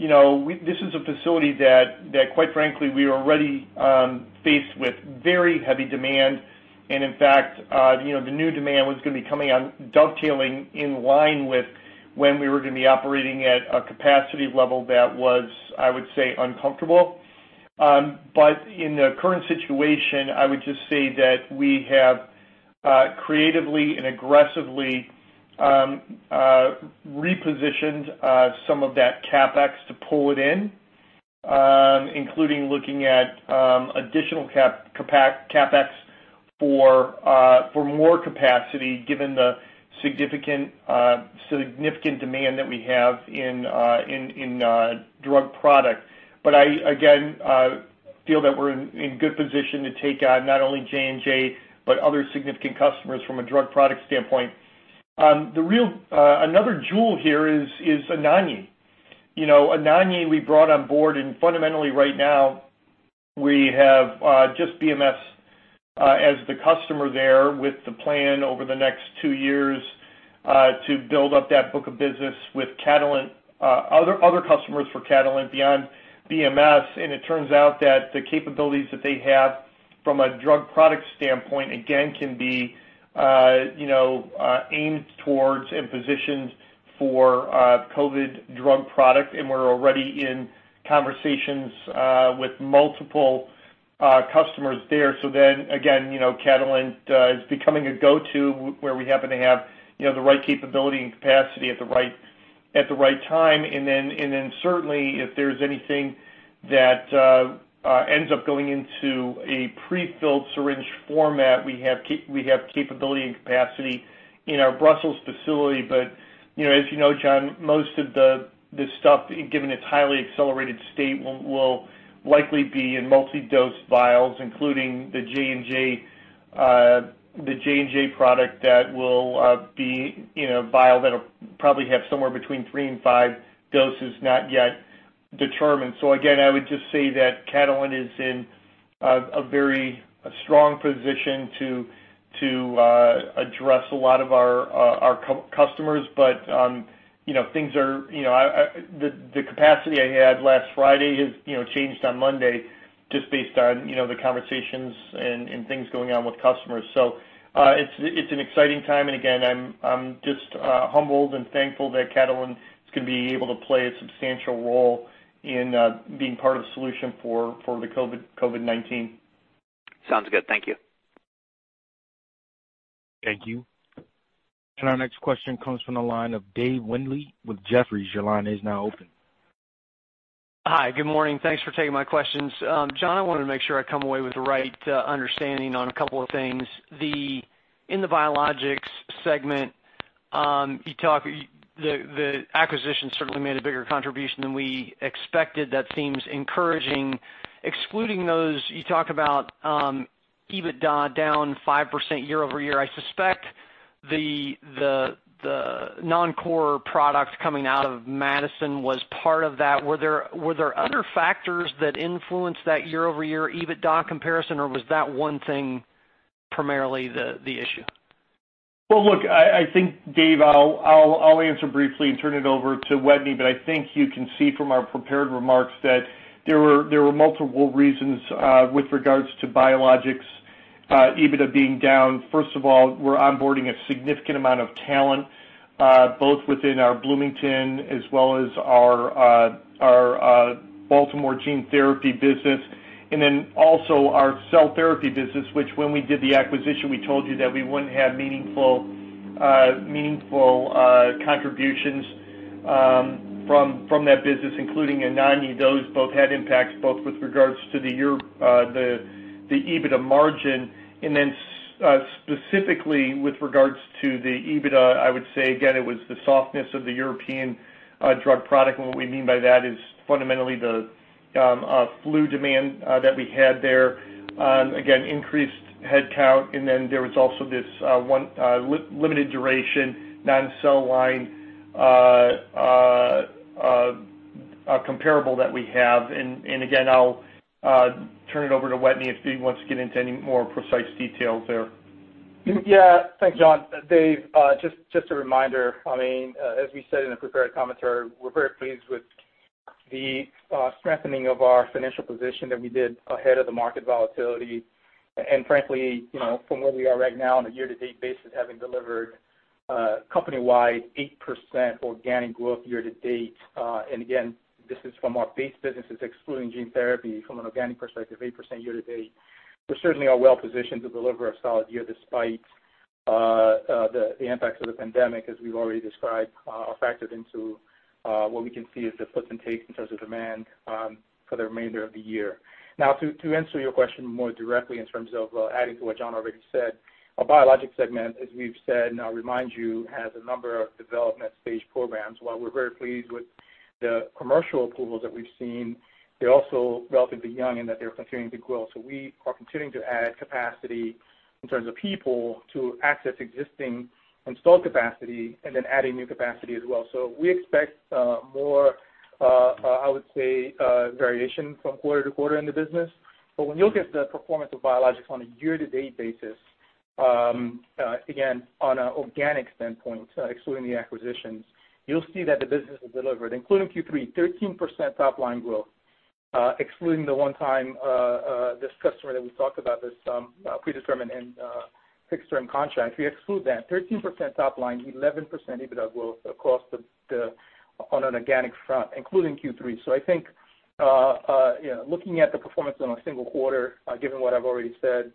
this is a facility that, quite frankly, we are already faced with very heavy demand, and in fact, the new demand was going to be coming on dovetailing in line with when we were going to be operating at a capacity level that was, I would say, uncomfortable. But in the current situation, I would just say that we have creatively and aggressively repositioned some of that CapEx to pull it in, including looking at additional CapEx for more capacity given the significant demand that we have in drug product. But I, again, feel that we're in good position to take on not only J&J but other significant customers from a drug product standpoint. Another jewel here is Anagni. Anagni, we brought on board, and fundamentally right now, we have just BMS as the customer there with the plan over the next two years to build up that book of business with Catalent, other customers for Catalent beyond BMS. And it turns out that the capabilities that they have from a drug product standpoint, again, can be aimed towards and positioned for COVID drug product, and we're already in conversations with multiple customers there. So then, again, Catalent is becoming a go-to where we happen to have the right capability and capacity at the right time. And then certainly, if there's anything that ends up going into a prefilled syringe format, we have capability and capacity in our Brussels facility. But as you know, John, most of this stuff, given its highly accelerated state, will likely be in multi-dose vials, including the J&J product that will be vials that'll probably have somewhere between three and five doses, not yet determined. So again, I would just say that Catalent is in a very strong position to address a lot of our customers, but things are, the capacity I had last Friday has changed on Monday just based on the conversations and things going on with customers. So it's an exciting time, and again, I'm just humbled and thankful that Catalent is going to be able to play a substantial role in being part of the solution for the COVID-19. Sounds good. Thank you. Thank you. And our next question comes from the line of Dave Windley with Jefferies. Your line is now open. Hi, good morning. Thanks for taking my questions. John, I wanted to make sure I come away with the right understanding on a couple of things. In the biologics segment, the acquisition certainly made a bigger contribution than we expected. That seems encouraging. Excluding those, you talk about EBITDA down 5% year-over-year. I suspect the non-core product coming out of Madison was part of that. Were there other factors that influenced that year-over-year EBITDA comparison, or was that one thing primarily the issue? Look, I think, Dave, I'll answer briefly and turn it over to Wetteny, but I think you can see from our prepared remarks that there were multiple reasons with regards to biologics EBITDA being down. First of all, we're onboarding a significant amount of talent, both within our Bloomington as well as our Baltimore gene therapy business, and then also our cell therapy business, which when we did the acquisition, we told you that we wouldn't have meaningful contributions from that business, including Anagni. Those both had impacts both with regards to the year-to-year EBITDA margin, and then specifically with regards to the EBITDA, I would say, again, it was the softness of the European drug product. And what we mean by that is fundamentally the flu demand that we had there, again, increased headcount. And then there was also this limited duration non-cell line comparable that we have. And again, I'll turn it over to Wetteny if he wants to get into any more precise details there. Yeah, thanks, John. Dave, just a reminder, I mean, as we said in the prepared commentary, we're very pleased with the strengthening of our financial position that we did ahead of the market volatility. And frankly, from where we are right now on a year-to-date basis, having delivered company-wide 8% organic growth year-to-date, and again, this is from our base businesses excluding gene therapy from an organic perspective, 8% year-to-date, we're certainly well-positioned to deliver a solid year despite the impacts of the pandemic, as we've already described, affected into what we can see as the flips and takes in terms of demand for the remainder of the year. Now, to answer your question more directly in terms of adding to what John already said, our biologics segment, as we've said, and I'll remind you, has a number of development stage programs. While we're very pleased with the commercial approvals that we've seen, they're also relatively young and that they're continuing to grow. So we are continuing to add capacity in terms of people to access existing installed capacity and then adding new capacity as well. So we expect more, I would say, variation from quarter to quarter in the business. But when you look at the performance of biologics on a year-to-date basis, again, on an organic standpoint, excluding the acquisitions, you'll see that the business has delivered, including Q3, 13% top-line growth, excluding the one time this customer that we talked about, this predetermined and fixed-term contract. We exclude that 13% top-line, 11% EBITDA growth across the board on an organic front, including Q3. So I think looking at the performance in a single quarter, given what I've already said,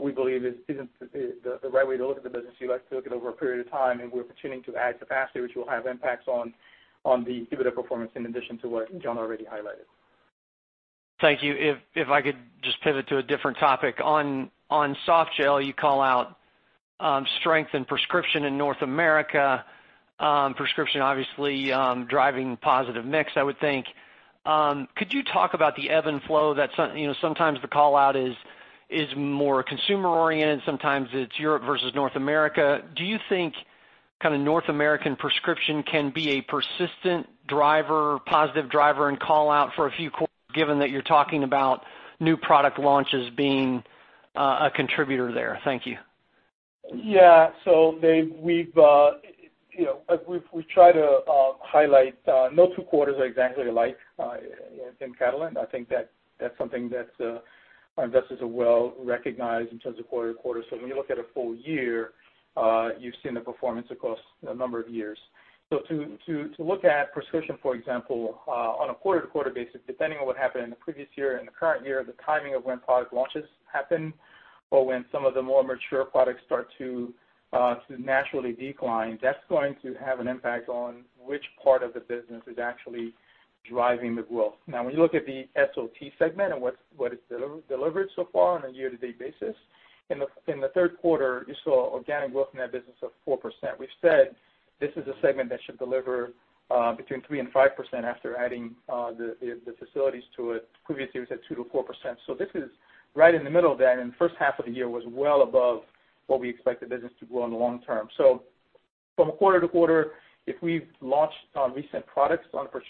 we believe it isn't the right way to look at the business. You like to look at it over a period of time, and we're continuing to add capacity, which will have impacts on the EBITDA performance in addition to what John already highlighted. Thank you. If I could just pivot to a different topic. On softgel, you call out strength in prescription in North America. Prescription, obviously, driving positive mix, I would think. Could you talk about the ebb and flow? Sometimes the callout is more consumer-oriented. Sometimes it's Europe versus North America. Do you think kind of North American prescription can be a persistent driver, positive driver and callout for a few quarters, given that you're talking about new product launches being a contributor there? Thank you. Yeah. So Dave, we try to highlight no two quarters are exactly alike in Catalent. I think that's something that our investors are well recognized in terms of quarter to quarter. So when you look at a full year, you've seen the performance across a number of years. So to look at prescription, for example, on a quarter-to-quarter basis, depending on what happened in the previous year and the current year, the timing of when product launches happen or when some of the more mature products start to naturally decline, that's going to have an impact on which part of the business is actually driving the growth. Now, when you look at the SOT segment and what it's delivered so far on a year-to-date basis, in the third quarter, you saw organic growth in that business of 4%. We've said this is a segment that should deliver between 3% and 5% after adding the facilities to it. Previously, we said 2% to 4%. So this is right in the middle of that, and the first half of the year was well above what we expected the business to grow in the long term. So from quarter to quarter, if we've launched recent products on the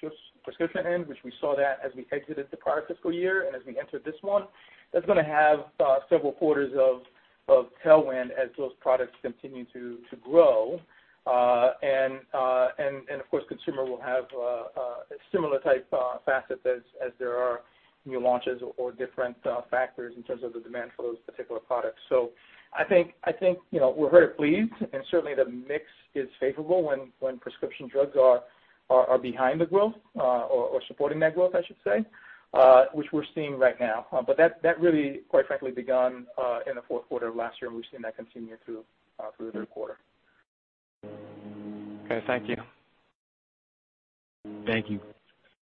prescription end, which we saw that as we exited the prior fiscal year and as we entered this one, that's going to have several quarters of tailwind as those products continue to grow. And of course, consumer will have a similar type facet as there are new launches or different factors in terms of the demand for those particular products. So I think we're very pleased, and certainly the mix is favorable when prescription drugs are behind the growth or supporting that growth, I should say, which we're seeing right now. But that really, quite frankly, began in the fourth quarter of last year, and we've seen that continue through the third quarter. Okay. Thank you. Thank you.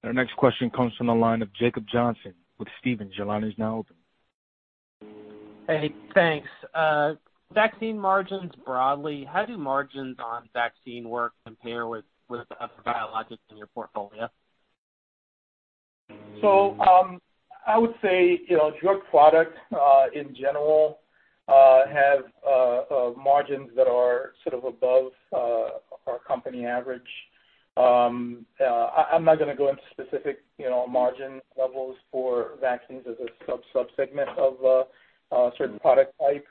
Our next question comes from the line of Jacob Johnson with Stephens. Your line is now open. Hey, thanks. Vaccine margins broadly, how do margins on vaccine work compared with other biologics in your portfolio? So I would say drug products in general have margins that are sort of above our company average. I'm not going to go into specific margin levels for vaccines as a sub-subsegment of a certain product type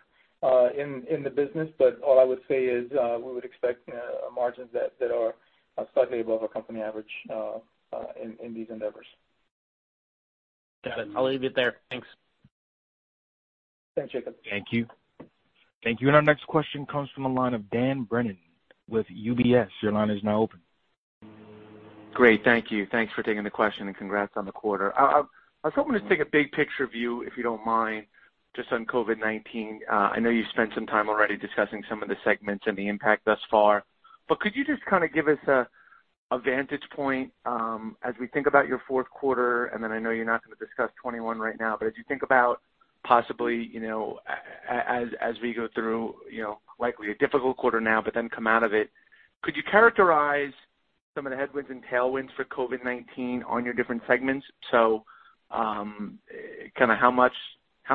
in the business, but all I would say is we would expect margins that are slightly above our company average in these endeavors. Got it. I'll leave it there. Thanks. Thanks, Jacob. Thank you. Thank you. And our next question comes from the line of Dan Brennan with UBS. Your line is now open. Great. Thank you. Thanks for taking the question, and congrats on the quarter. I was hoping to take a big picture view, if you don't mind, just on COVID-19. I know you spent some time already discussing some of the segments and the impact thus far, but could you just kind of give us a vantage point as we think about your fourth quarter? And then I know you're not going to discuss 2021 right now, but as you think about possibly as we go through likely a difficult quarter now but then come out of it, could you characterize some of the headwinds and tailwinds for COVID-19 on your different segments? So kind of how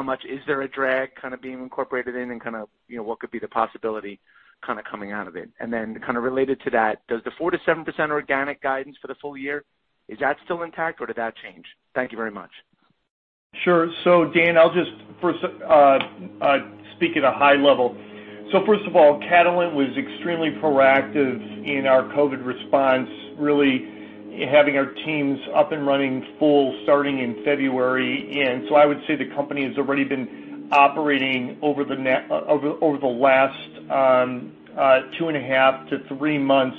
much is there a drag kind of being incorporated in, and kind of what could be the possibility kind of coming out of it? And then kind of related to that, does the 4%-7% organic guidance for the full year, is that still intact, or did that change? Thank you very much. Sure. So Dan, I'll just speak at a high level. So first of all, Catalent was extremely proactive in our COVID response, really having our teams up and running full starting in February. And so I would say the company has already been operating over the last two and a half to three months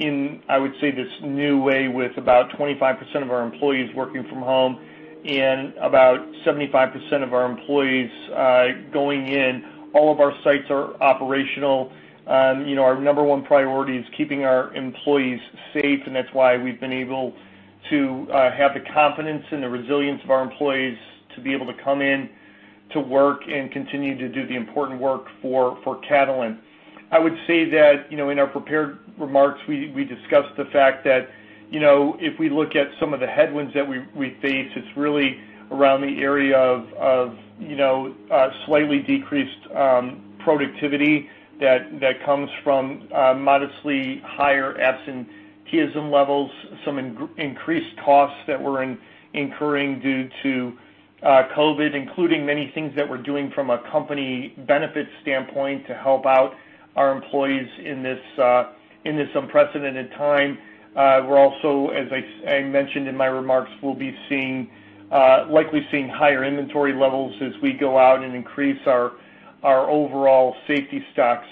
in, I would say, this new way with about 25% of our employees working from home and about 75% of our employees going in. All of our sites are operational. Our number one priority is keeping our employees safe, and that's why we've been able to have the confidence and the resilience of our employees to be able to come in to work and continue to do the important work for Catalent. I would say that in our prepared remarks, we discussed the fact that if we look at some of the headwinds that we face, it's really around the area of slightly decreased productivity that comes from modestly higher absenteeism levels, some increased costs that we're incurring due to COVID, including many things that we're doing from a company benefit standpoint to help out our employees in this unprecedented time. We're also, as I mentioned in my remarks, likely seeing higher inventory levels as we go out and increase our overall safety stocks.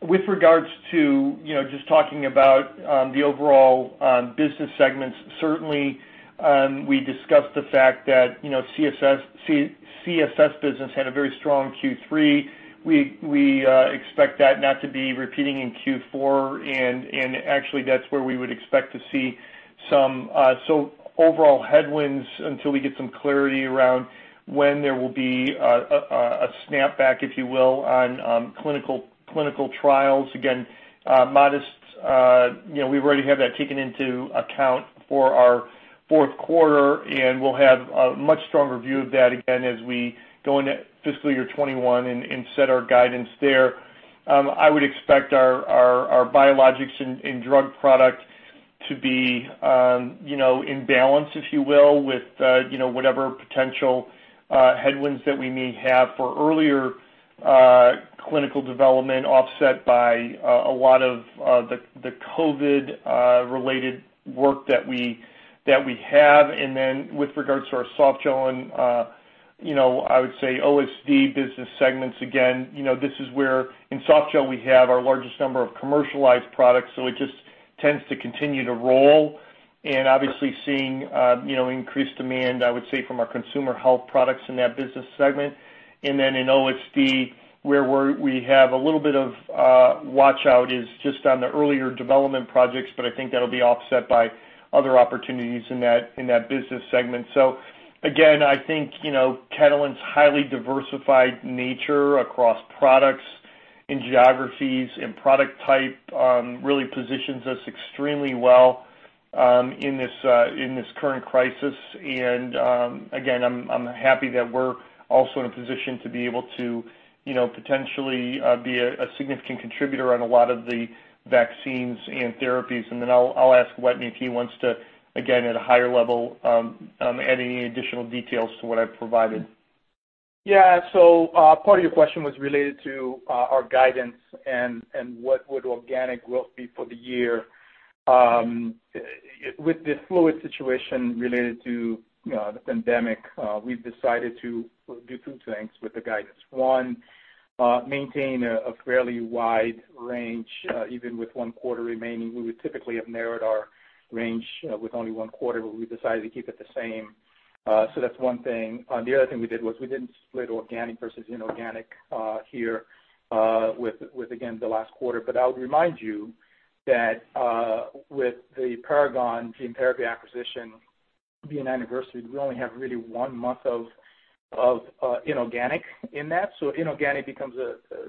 With regards to just talking about the overall business segments, certainly we discussed the fact that CSS business had a very strong Q3. We expect that not to be repeating in Q4, and actually, that's where we would expect to see some overall headwinds until we get some clarity around when there will be a snapback, if you will, on clinical trials. Again, modest. We've already had that taken into account for our fourth quarter, and we'll have a much stronger view of that again as we go into fiscal year 2021 and set our guidance there. I would expect our biologics and drug product to be in balance, if you will, with whatever potential headwinds that we may have for earlier clinical development offset by a lot of the COVID-related work that we have. And then with regards to our softgel, I would say OSD business segments, again, this is where in softgel we have our largest number of commercialized products, so it just tends to continue to roll. And obviously, seeing increased demand, I would say, from our consumer health products in that business segment. And then in OSD, where we have a little bit of watch-out is just on the earlier development projects, but I think that'll be offset by other opportunities in that business segment. So again, I think Catalent's highly diversified nature across products and geographies and product type really positions us extremely well in this current crisis. And again, I'm happy that we're also in a position to be able to potentially be a significant contributor on a lot of the vaccines and therapies. And then I'll ask Wetteny if he wants to, again, at a higher level, add any additional details to what I've provided. Yeah. So part of your question was related to our guidance and what would organic growth be for the year. With the fluid situation related to the pandemic, we've decided to do two things with the guidance. One, maintain a fairly wide range. Even with one quarter remaining, we would typically have narrowed our range with only one quarter, but we decided to keep it the same. So that's one thing. The other thing we did was we didn't split organic versus inorganic here with, again, the last quarter. But I would remind you that with the Paragon Gene Therapy acquisition being an anniversary, we only have really one month of inorganic in that. So inorganic becomes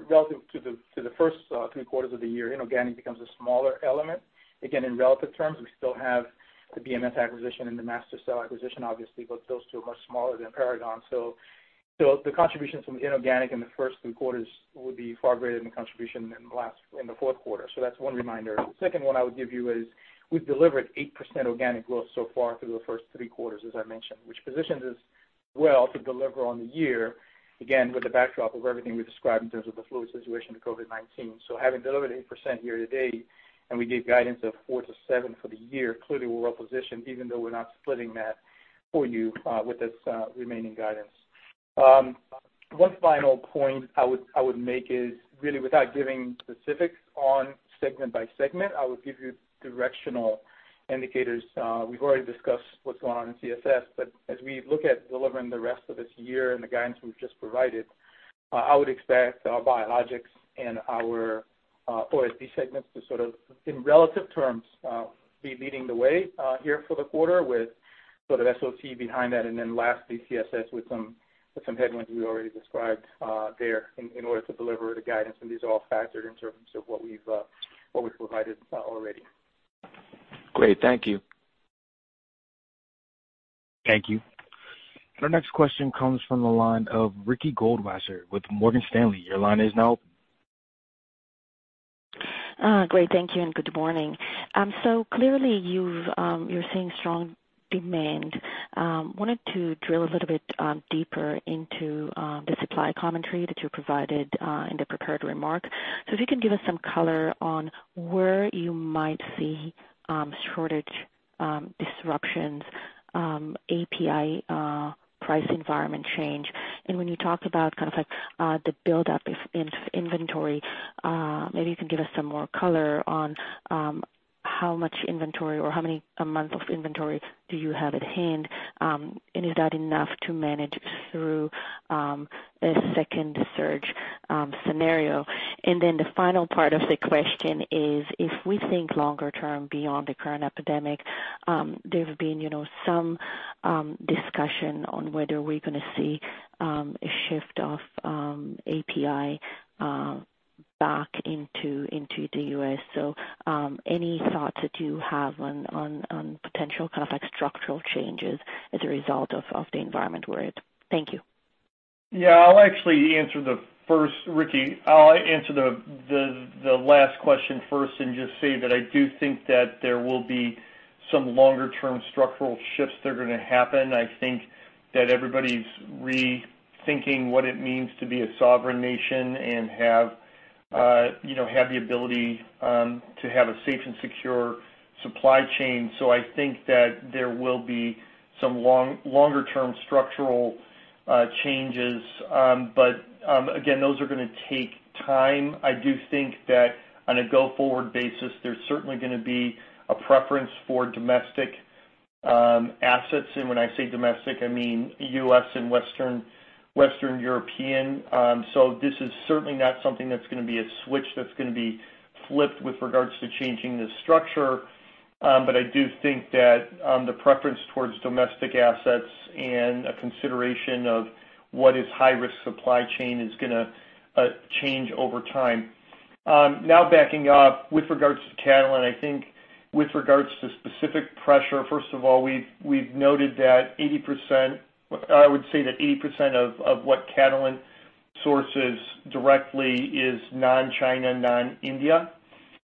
relative to the first three quarters of the year. Inorganic becomes a smaller element. Again, in relative terms, we still have the BMS acquisition and the MaSTherCell acquisition, obviously, but those two are much smaller than Paragon. So the contributions from inorganic in the first three quarters would be far greater than the contribution in the fourth quarter. So that's one reminder. The second one I would give you is we've delivered 8% organic growth so far through the first three quarters, as I mentioned, which positions us well to deliver on the year, again, with the backdrop of everything we described in terms of the fluid situation of COVID-19. So having delivered 8% year to date, and we gave guidance of 4%-7% for the year, clearly we're well positioned, even though we're not splitting that for you with this remaining guidance. One final point I would make is really without giving specifics on segment by segment, I would give you directional indicators. We've already discussed what's going on in CSS, but as we look at delivering the rest of this year and the guidance we've just provided, I would expect our biologics and our OSD segments to sort of, in relative terms, be leading the way here for the quarter with sort of SOT behind that. And then lastly, CSS with some headwinds we already described there in order to deliver the guidance. And these are all factored in terms of what we've provided already. Great. Thank you. Thank you. Our next question comes from the line of Ricky Goldwasser with Morgan Stanley. Your line is now open. Great. Thank you. And good morning. So clearly, you're seeing strong demand. I wanted to drill a little bit deeper into the supply commentary that you provided in the prepared remark. So if you can give us some color on where you might see shortage disruptions, API price environment change. And when you talk about kind of the build-up in inventory, maybe you can give us some more color on how much inventory or how many months of inventory do you have at hand, and is that enough to manage through a second surge scenario? And then the final part of the question is, if we think longer term beyond the current epidemic, there have been some discussion on whether we're going to see a shift of API back into the U.S. So any thoughts that you have on potential kind of structural changes as a result of the environment we're in? Thank you. Yeah. I'll actually answer the first, Ricky. I'll answer the last question first and just say that I do think that there will be some longer-term structural shifts that are going to happen. I think that everybody's rethinking what it means to be a sovereign nation and have the ability to have a safe and secure supply chain. So I think that there will be some longer-term structural changes. But again, those are going to take time. I do think that on a go-forward basis, there's certainly going to be a preference for domestic assets. And when I say domestic, I mean U.S. and Western European. So this is certainly not something that's going to be a switch that's going to be flipped with regards to changing the structure. But I do think that the preference towards domestic assets and a consideration of what is high-risk supply chain is going to change over time. Now, backing up with regards to Catalent, I think with regards to specific pressure, first of all, we've noted that 80%, I would say that 80% of what Catalent sources directly is non-China, non-India,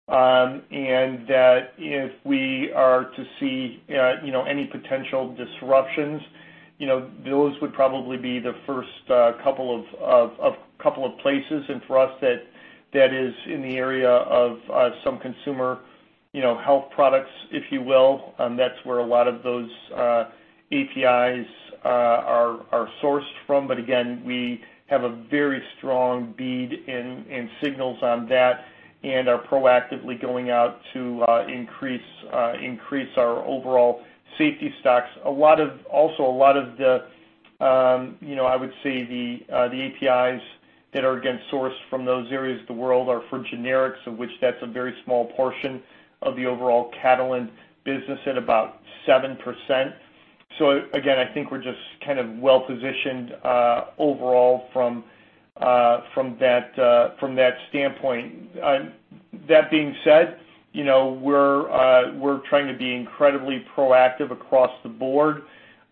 and that if we are to see any potential disruptions, those would probably be the first couple of places. And for us, that is in the area of some consumer health products, if you will. That's where a lot of those APIs are sourced from. But again, we have a very strong read and signals on that and are proactively going out to increase our overall safety stocks. Also, a lot of the, I would say, the APIs that are again sourced from those areas of the world are for generics, of which that's a very small portion of the overall Catalent business at about 7%. So again, I think we're just kind of well positioned overall from that standpoint. That being said, we're trying to be incredibly proactive across the board.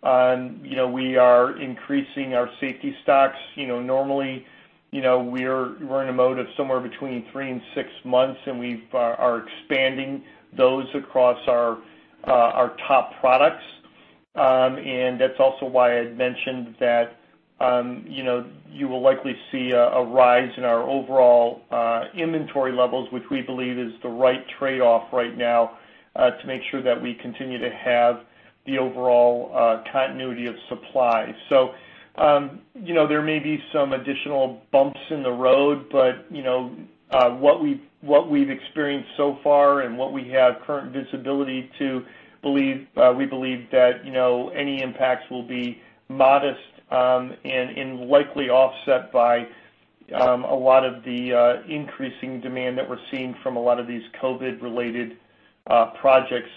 We are increasing our safety stocks. Normally, we're in a mode of somewhere between three and six months, and we are expanding those across our top products. And that's also why I'd mentioned that you will likely see a rise in our overall inventory levels, which we believe is the right trade-off right now to make sure that we continue to have the overall continuity of supply. So there may be some additional bumps in the road, but what we've experienced so far and what we have current visibility to, we believe that any impacts will be modest and likely offset by a lot of the increasing demand that we're seeing from a lot of these COVID-related projects.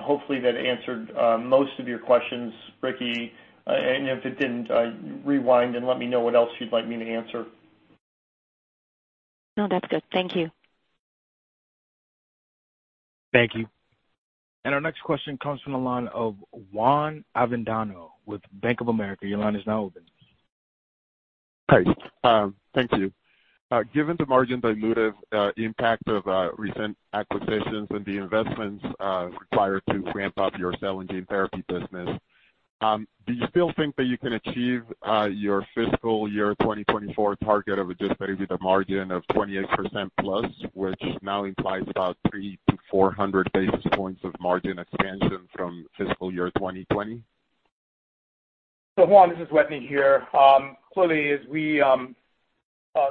Hopefully, that answered most of your questions, Ricky. If it didn't, rewind and let me know what else you'd like me to answer. No, that's good. Thank you. Thank you. Our next question comes from the line of Juan Avendano with Bank of America. Your line is now open. Hi. Thank you. Given the margin dilutive impact of recent acquisitions and the investments required to ramp up your cell and gene therapy business, do you still think that you can achieve your fiscal year 2024 target of just maybe the margin of 28% plus, which now implies about 3 to 400 basis points of margin expansion from fiscal year 2020? Juan, this is Wetteny here. Clearly, as we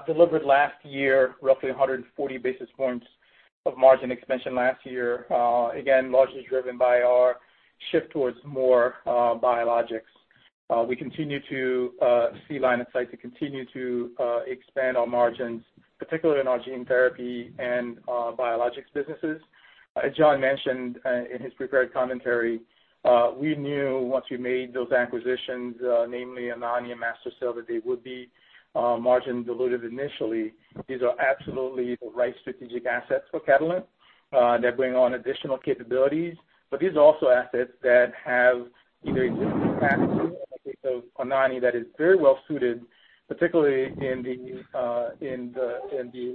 delivered last year roughly 140 basis points of margin expansion last year, again, largely driven by our shift towards more biologics. We continue to see line of sight to continue to expand our margins, particularly in our gene therapy and biologics businesses. As John mentioned in his prepared commentary, we knew once we made those acquisitions, namely Anagni and MaSTherCell, that they would be margin dilutive initially. These are absolutely the right strategic assets for Catalent. They bring on additional capabilities, but these are also assets that have either existing capacity or a case of Anagni that is very well suited, particularly in the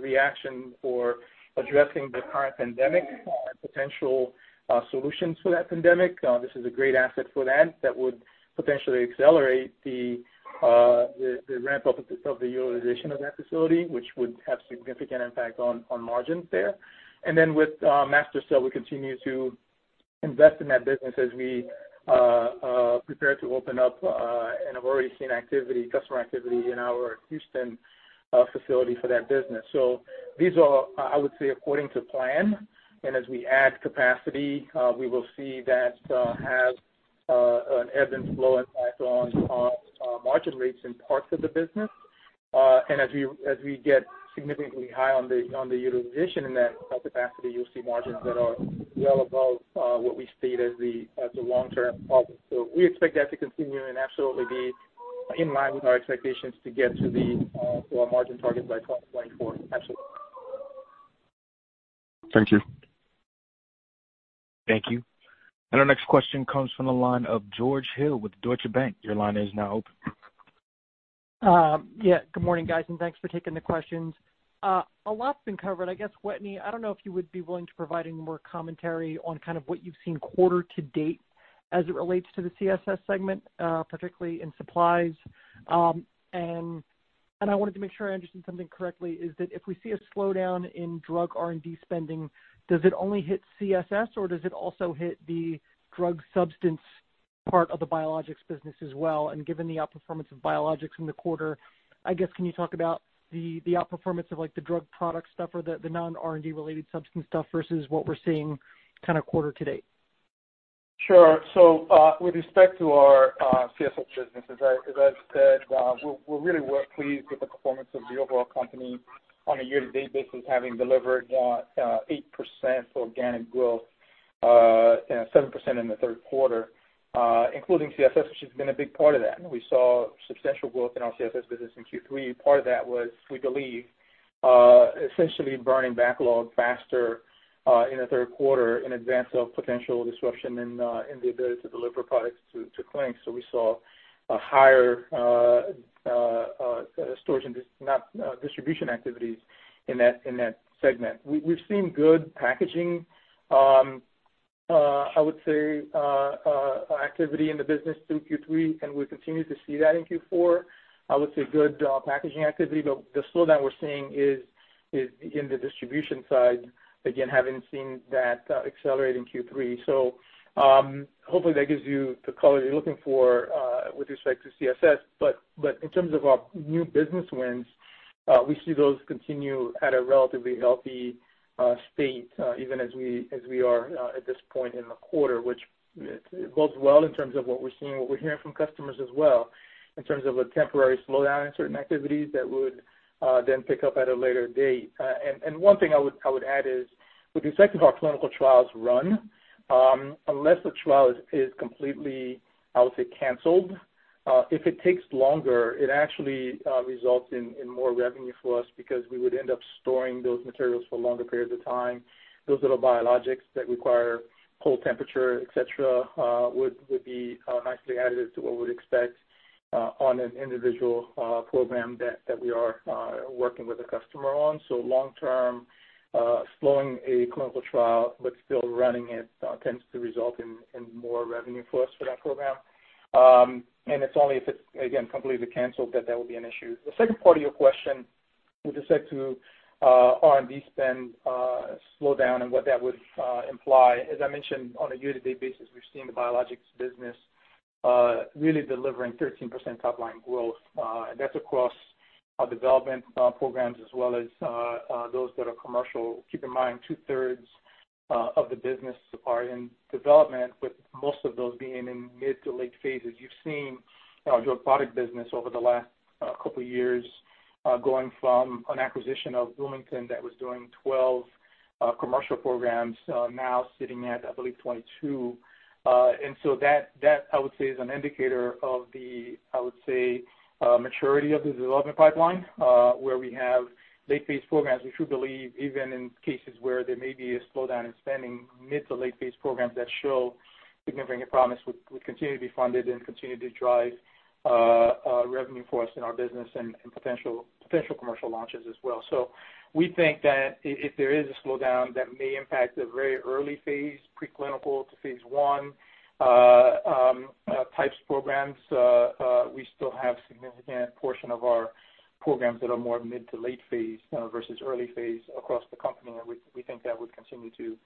reaction or addressing the current pandemic and potential solutions for that pandemic. This is a great asset for that that would potentially accelerate the ramp-up of the utilization of that facility, which would have significant impact on margins there. And then with MaSTherCell, we continue to invest in that business as we prepare to open up and have already seen customer activity in our Houston facility for that business. So these are, I would say, according to plan. And as we add capacity, we will see that have an evidence of low impact on margin rates in parts of the business. And as we get significantly high on the utilization in that capacity, you'll see margins that are well above what we state as the long-term target. So we expect that to continue and absolutely be in line with our expectations to get to our margin target by 2024. Absolutely. Thank you. Thank you. And our next question comes from the line of George Hill with Deutsche Bank. Your line is now open. Yeah. Good morning, guys, and thanks for taking the questions. A lot's been covered. I guess, Whitney, I don't know if you would be willing to provide any more commentary on kind of what you've seen quarter to date as it relates to the CSS segment, particularly in supplies. And I wanted to make sure I understood something correctly, is that if we see a slowdown in drug R&D spending, does it only hit CSS, or does it also hit the drug substance part of the biologics business as well? And given the outperformance of biologics in the quarter, I guess, can you talk about the outperformance of the drug product stuff or the non-R&D related substance stuff versus what we're seeing kind of quarter to date? Sure. With respect to our CSS business, as I've said, we're really pleased with the performance of the overall company on a year-to-date basis, having delivered 8% organic growth, 7% in the third quarter, including CSS, which has been a big part of that. We saw substantial growth in our CSS business in Q3. Part of that was, we believe, essentially burning backlog faster in the third quarter in advance of potential disruption in the ability to deliver products to clinics. We saw higher storage and distribution activities in that segment. We've seen good packaging, I would say, activity in the business through Q3, and we'll continue to see that in Q4. I would say good packaging activity, but the slowdown we're seeing is in the distribution side, again, having seen that accelerate in Q3. Hopefully, that gives you the color you're looking for with respect to CSS. In terms of our new business wins, we see those continue at a relatively healthy state, even as we are at this point in the quarter, which bodes well in terms of what we're seeing, what we're hearing from customers as well, in terms of a temporary slowdown in certain activities that would then pick up at a later date. One thing I would add is, with respect to how clinical trials run, unless the trial is completely, I would say, canceled, if it takes longer, it actually results in more revenue for us because we would end up storing those materials for longer periods of time. Those little biologics that require cold temperature, etc., would be nicely added to what we would expect on an individual program that we are working with a customer on. So long-term, slowing a clinical trial but still running it tends to result in more revenue for us for that program. And it's only if it's, again, completely canceled that that would be an issue. The second part of your question, with respect to R&D spend slowdown and what that would imply, as I mentioned, on a year-to-date basis, we've seen the biologics business really delivering 13% top-line growth. And that's across our development programs as well as those that are commercial. Keep in mind, two-thirds of the business are in development, with most of those being in mid to late phases. You've seen our drug product business over the last couple of years going from an acquisition of Bloomington that was doing 12 commercial programs now sitting at, I believe, 22. And so that, I would say, is an indicator of the, I would say, maturity of the development pipeline, where we have late-phase programs, which we believe, even in cases where there may be a slowdown in spending, mid- to late-phase programs that show significant promise would continue to be funded and continue to drive revenue for us in our business and potential commercial launches as well. So we think that if there is a slowdown that may impact the very early phase, preclinical to phase one types of programs, we still have a significant portion of our programs that are more mid to late phase versus early phase across the company. And we think that would continue to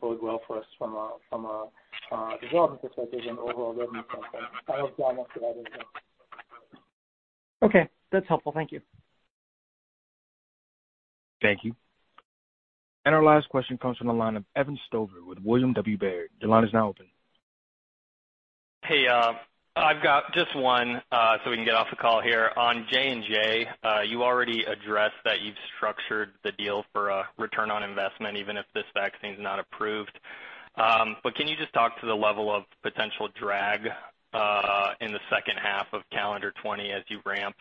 bode well for us from a development perspective and overall revenue perspective. I don't have time after that as well. Okay. That's helpful. Thank you. Thank you. And our last question comes from the line of Evan Stover with William W. Baird. Your line is now open. Hey. I've got just one so we can get off the call here. On J&J, you already addressed that you've structured the deal for a return on investment, even if this vaccine's not approved. But can you just talk to the level of potential drag in the second half of calendar 2020 as you ramp?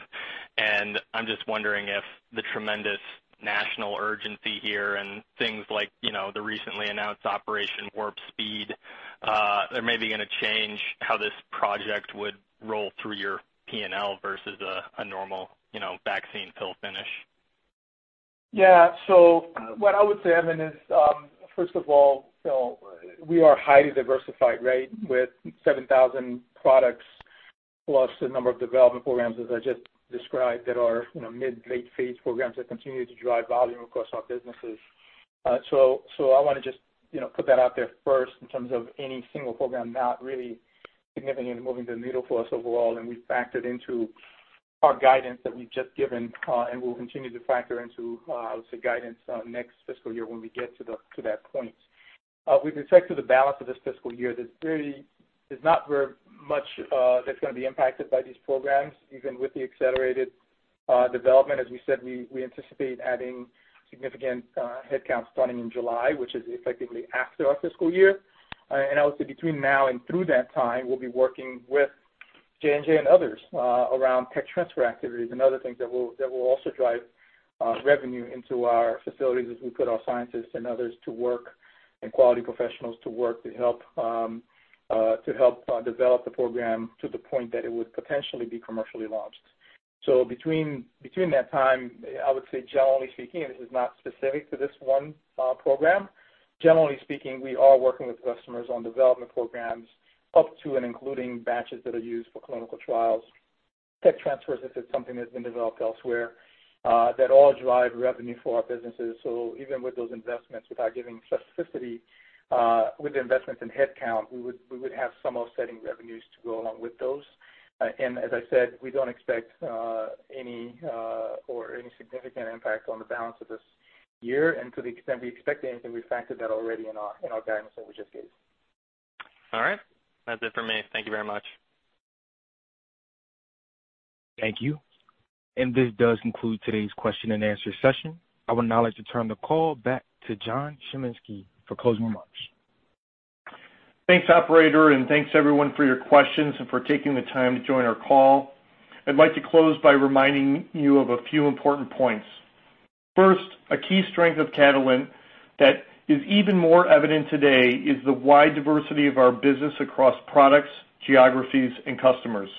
And I'm just wondering if the tremendous national urgency here and things like the recently announced Operation Warp Speed, they're maybe going to change how this project would roll through your P&L versus a normal vaccine fill-finish. Yeah. So what I would say, Evan, is, first of all, we are highly diversified, right, with 7,000 products plus the number of development programs, as I just described, that are mid to late-phase programs that continue to drive volume across our businesses. So I want to just put that out there first in terms of any single program not really significantly moving the needle for us overall. And we've factored into our guidance that we've just given, and we'll continue to factor into, I would say, guidance next fiscal year when we get to that point. With respect to the balance of this fiscal year, there's not very much that's going to be impacted by these programs, even with the accelerated development. As we said, we anticipate adding significant headcount starting in July, which is effectively after our fiscal year. And I would say between now and through that time, we'll be working with J&J and others around tech transfer activities and other things that will also drive revenue into our facilities as we put our scientists and others to work and quality professionals to work to help develop the program to the point that it would potentially be commercially launched. So between that time, I would say, generally speaking, and this is not specific to this one program, generally speaking, we are working with customers on development programs up to and including batches that are used for clinical trials, tech transfers if it's something that's been developed elsewhere that all drive revenue for our businesses. So even with those investments, without giving specificity, with the investments in headcount, we would have some offsetting revenues to go along with those. As I said, we don't expect any significant impact on the balance of this year. To the extent we expect anything, we've factored that already in our guidance that we just gave. All right. That's it for me. Thank you very much. Thank you. This does conclude today's question and answer session. I will now like to turn the call back to John Chiminski for closing remarks. Thanks, operator. Thanks, everyone, for your questions and for taking the time to join our call. I'd like to close by reminding you of a few important points. First, a key strength of Catalent that is even more evident today is the wide diversity of our business across products, geographies, and customers.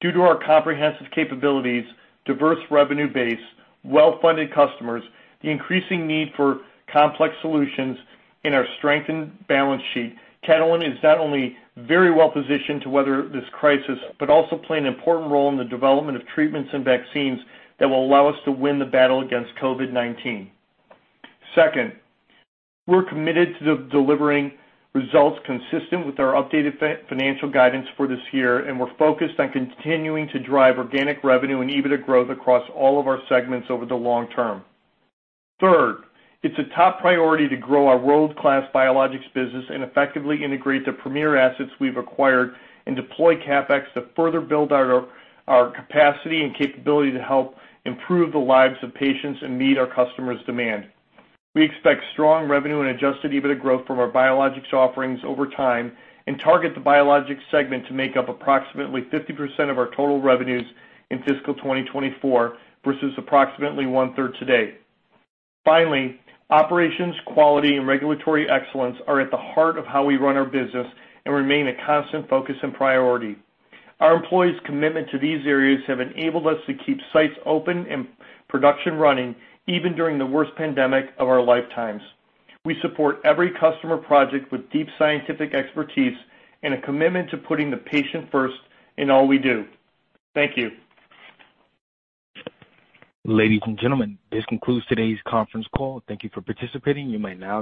Due to our comprehensive capabilities, diverse revenue base, well-funded customers, the increasing need for complex solutions, and our strengthened balance sheet, Catalent is not only very well positioned to weather this crisis but also play an important role in the development of treatments and vaccines that will allow us to win the battle against COVID-19. Second, we're committed to delivering results consistent with our updated financial guidance for this year, and we're focused on continuing to drive organic revenue and EBITDA growth across all of our segments over the long term. Third, it's a top priority to grow our world-class biologics business and effectively integrate the premier assets we've acquired and deploy CapEx to further build our capacity and capability to help improve the lives of patients and meet our customers' demand. We expect strong revenue and Adjusted EBITDA growth from our biologics offerings over time and target the biologics segment to make up approximately 50% of our total revenues in fiscal 2024 versus approximately one-third today. Finally, operations, quality, and regulatory excellence are at the heart of how we run our business and remain a constant focus and priority. Our employees' commitment to these areas have enabled us to keep sites open and production running even during the worst pandemic of our lifetimes. We support every customer project with deep scientific expertise and a commitment to putting the patient first in all we do. Thank you. Ladies and gentlemen, this concludes today's conference call. Thank you for participating. You may now.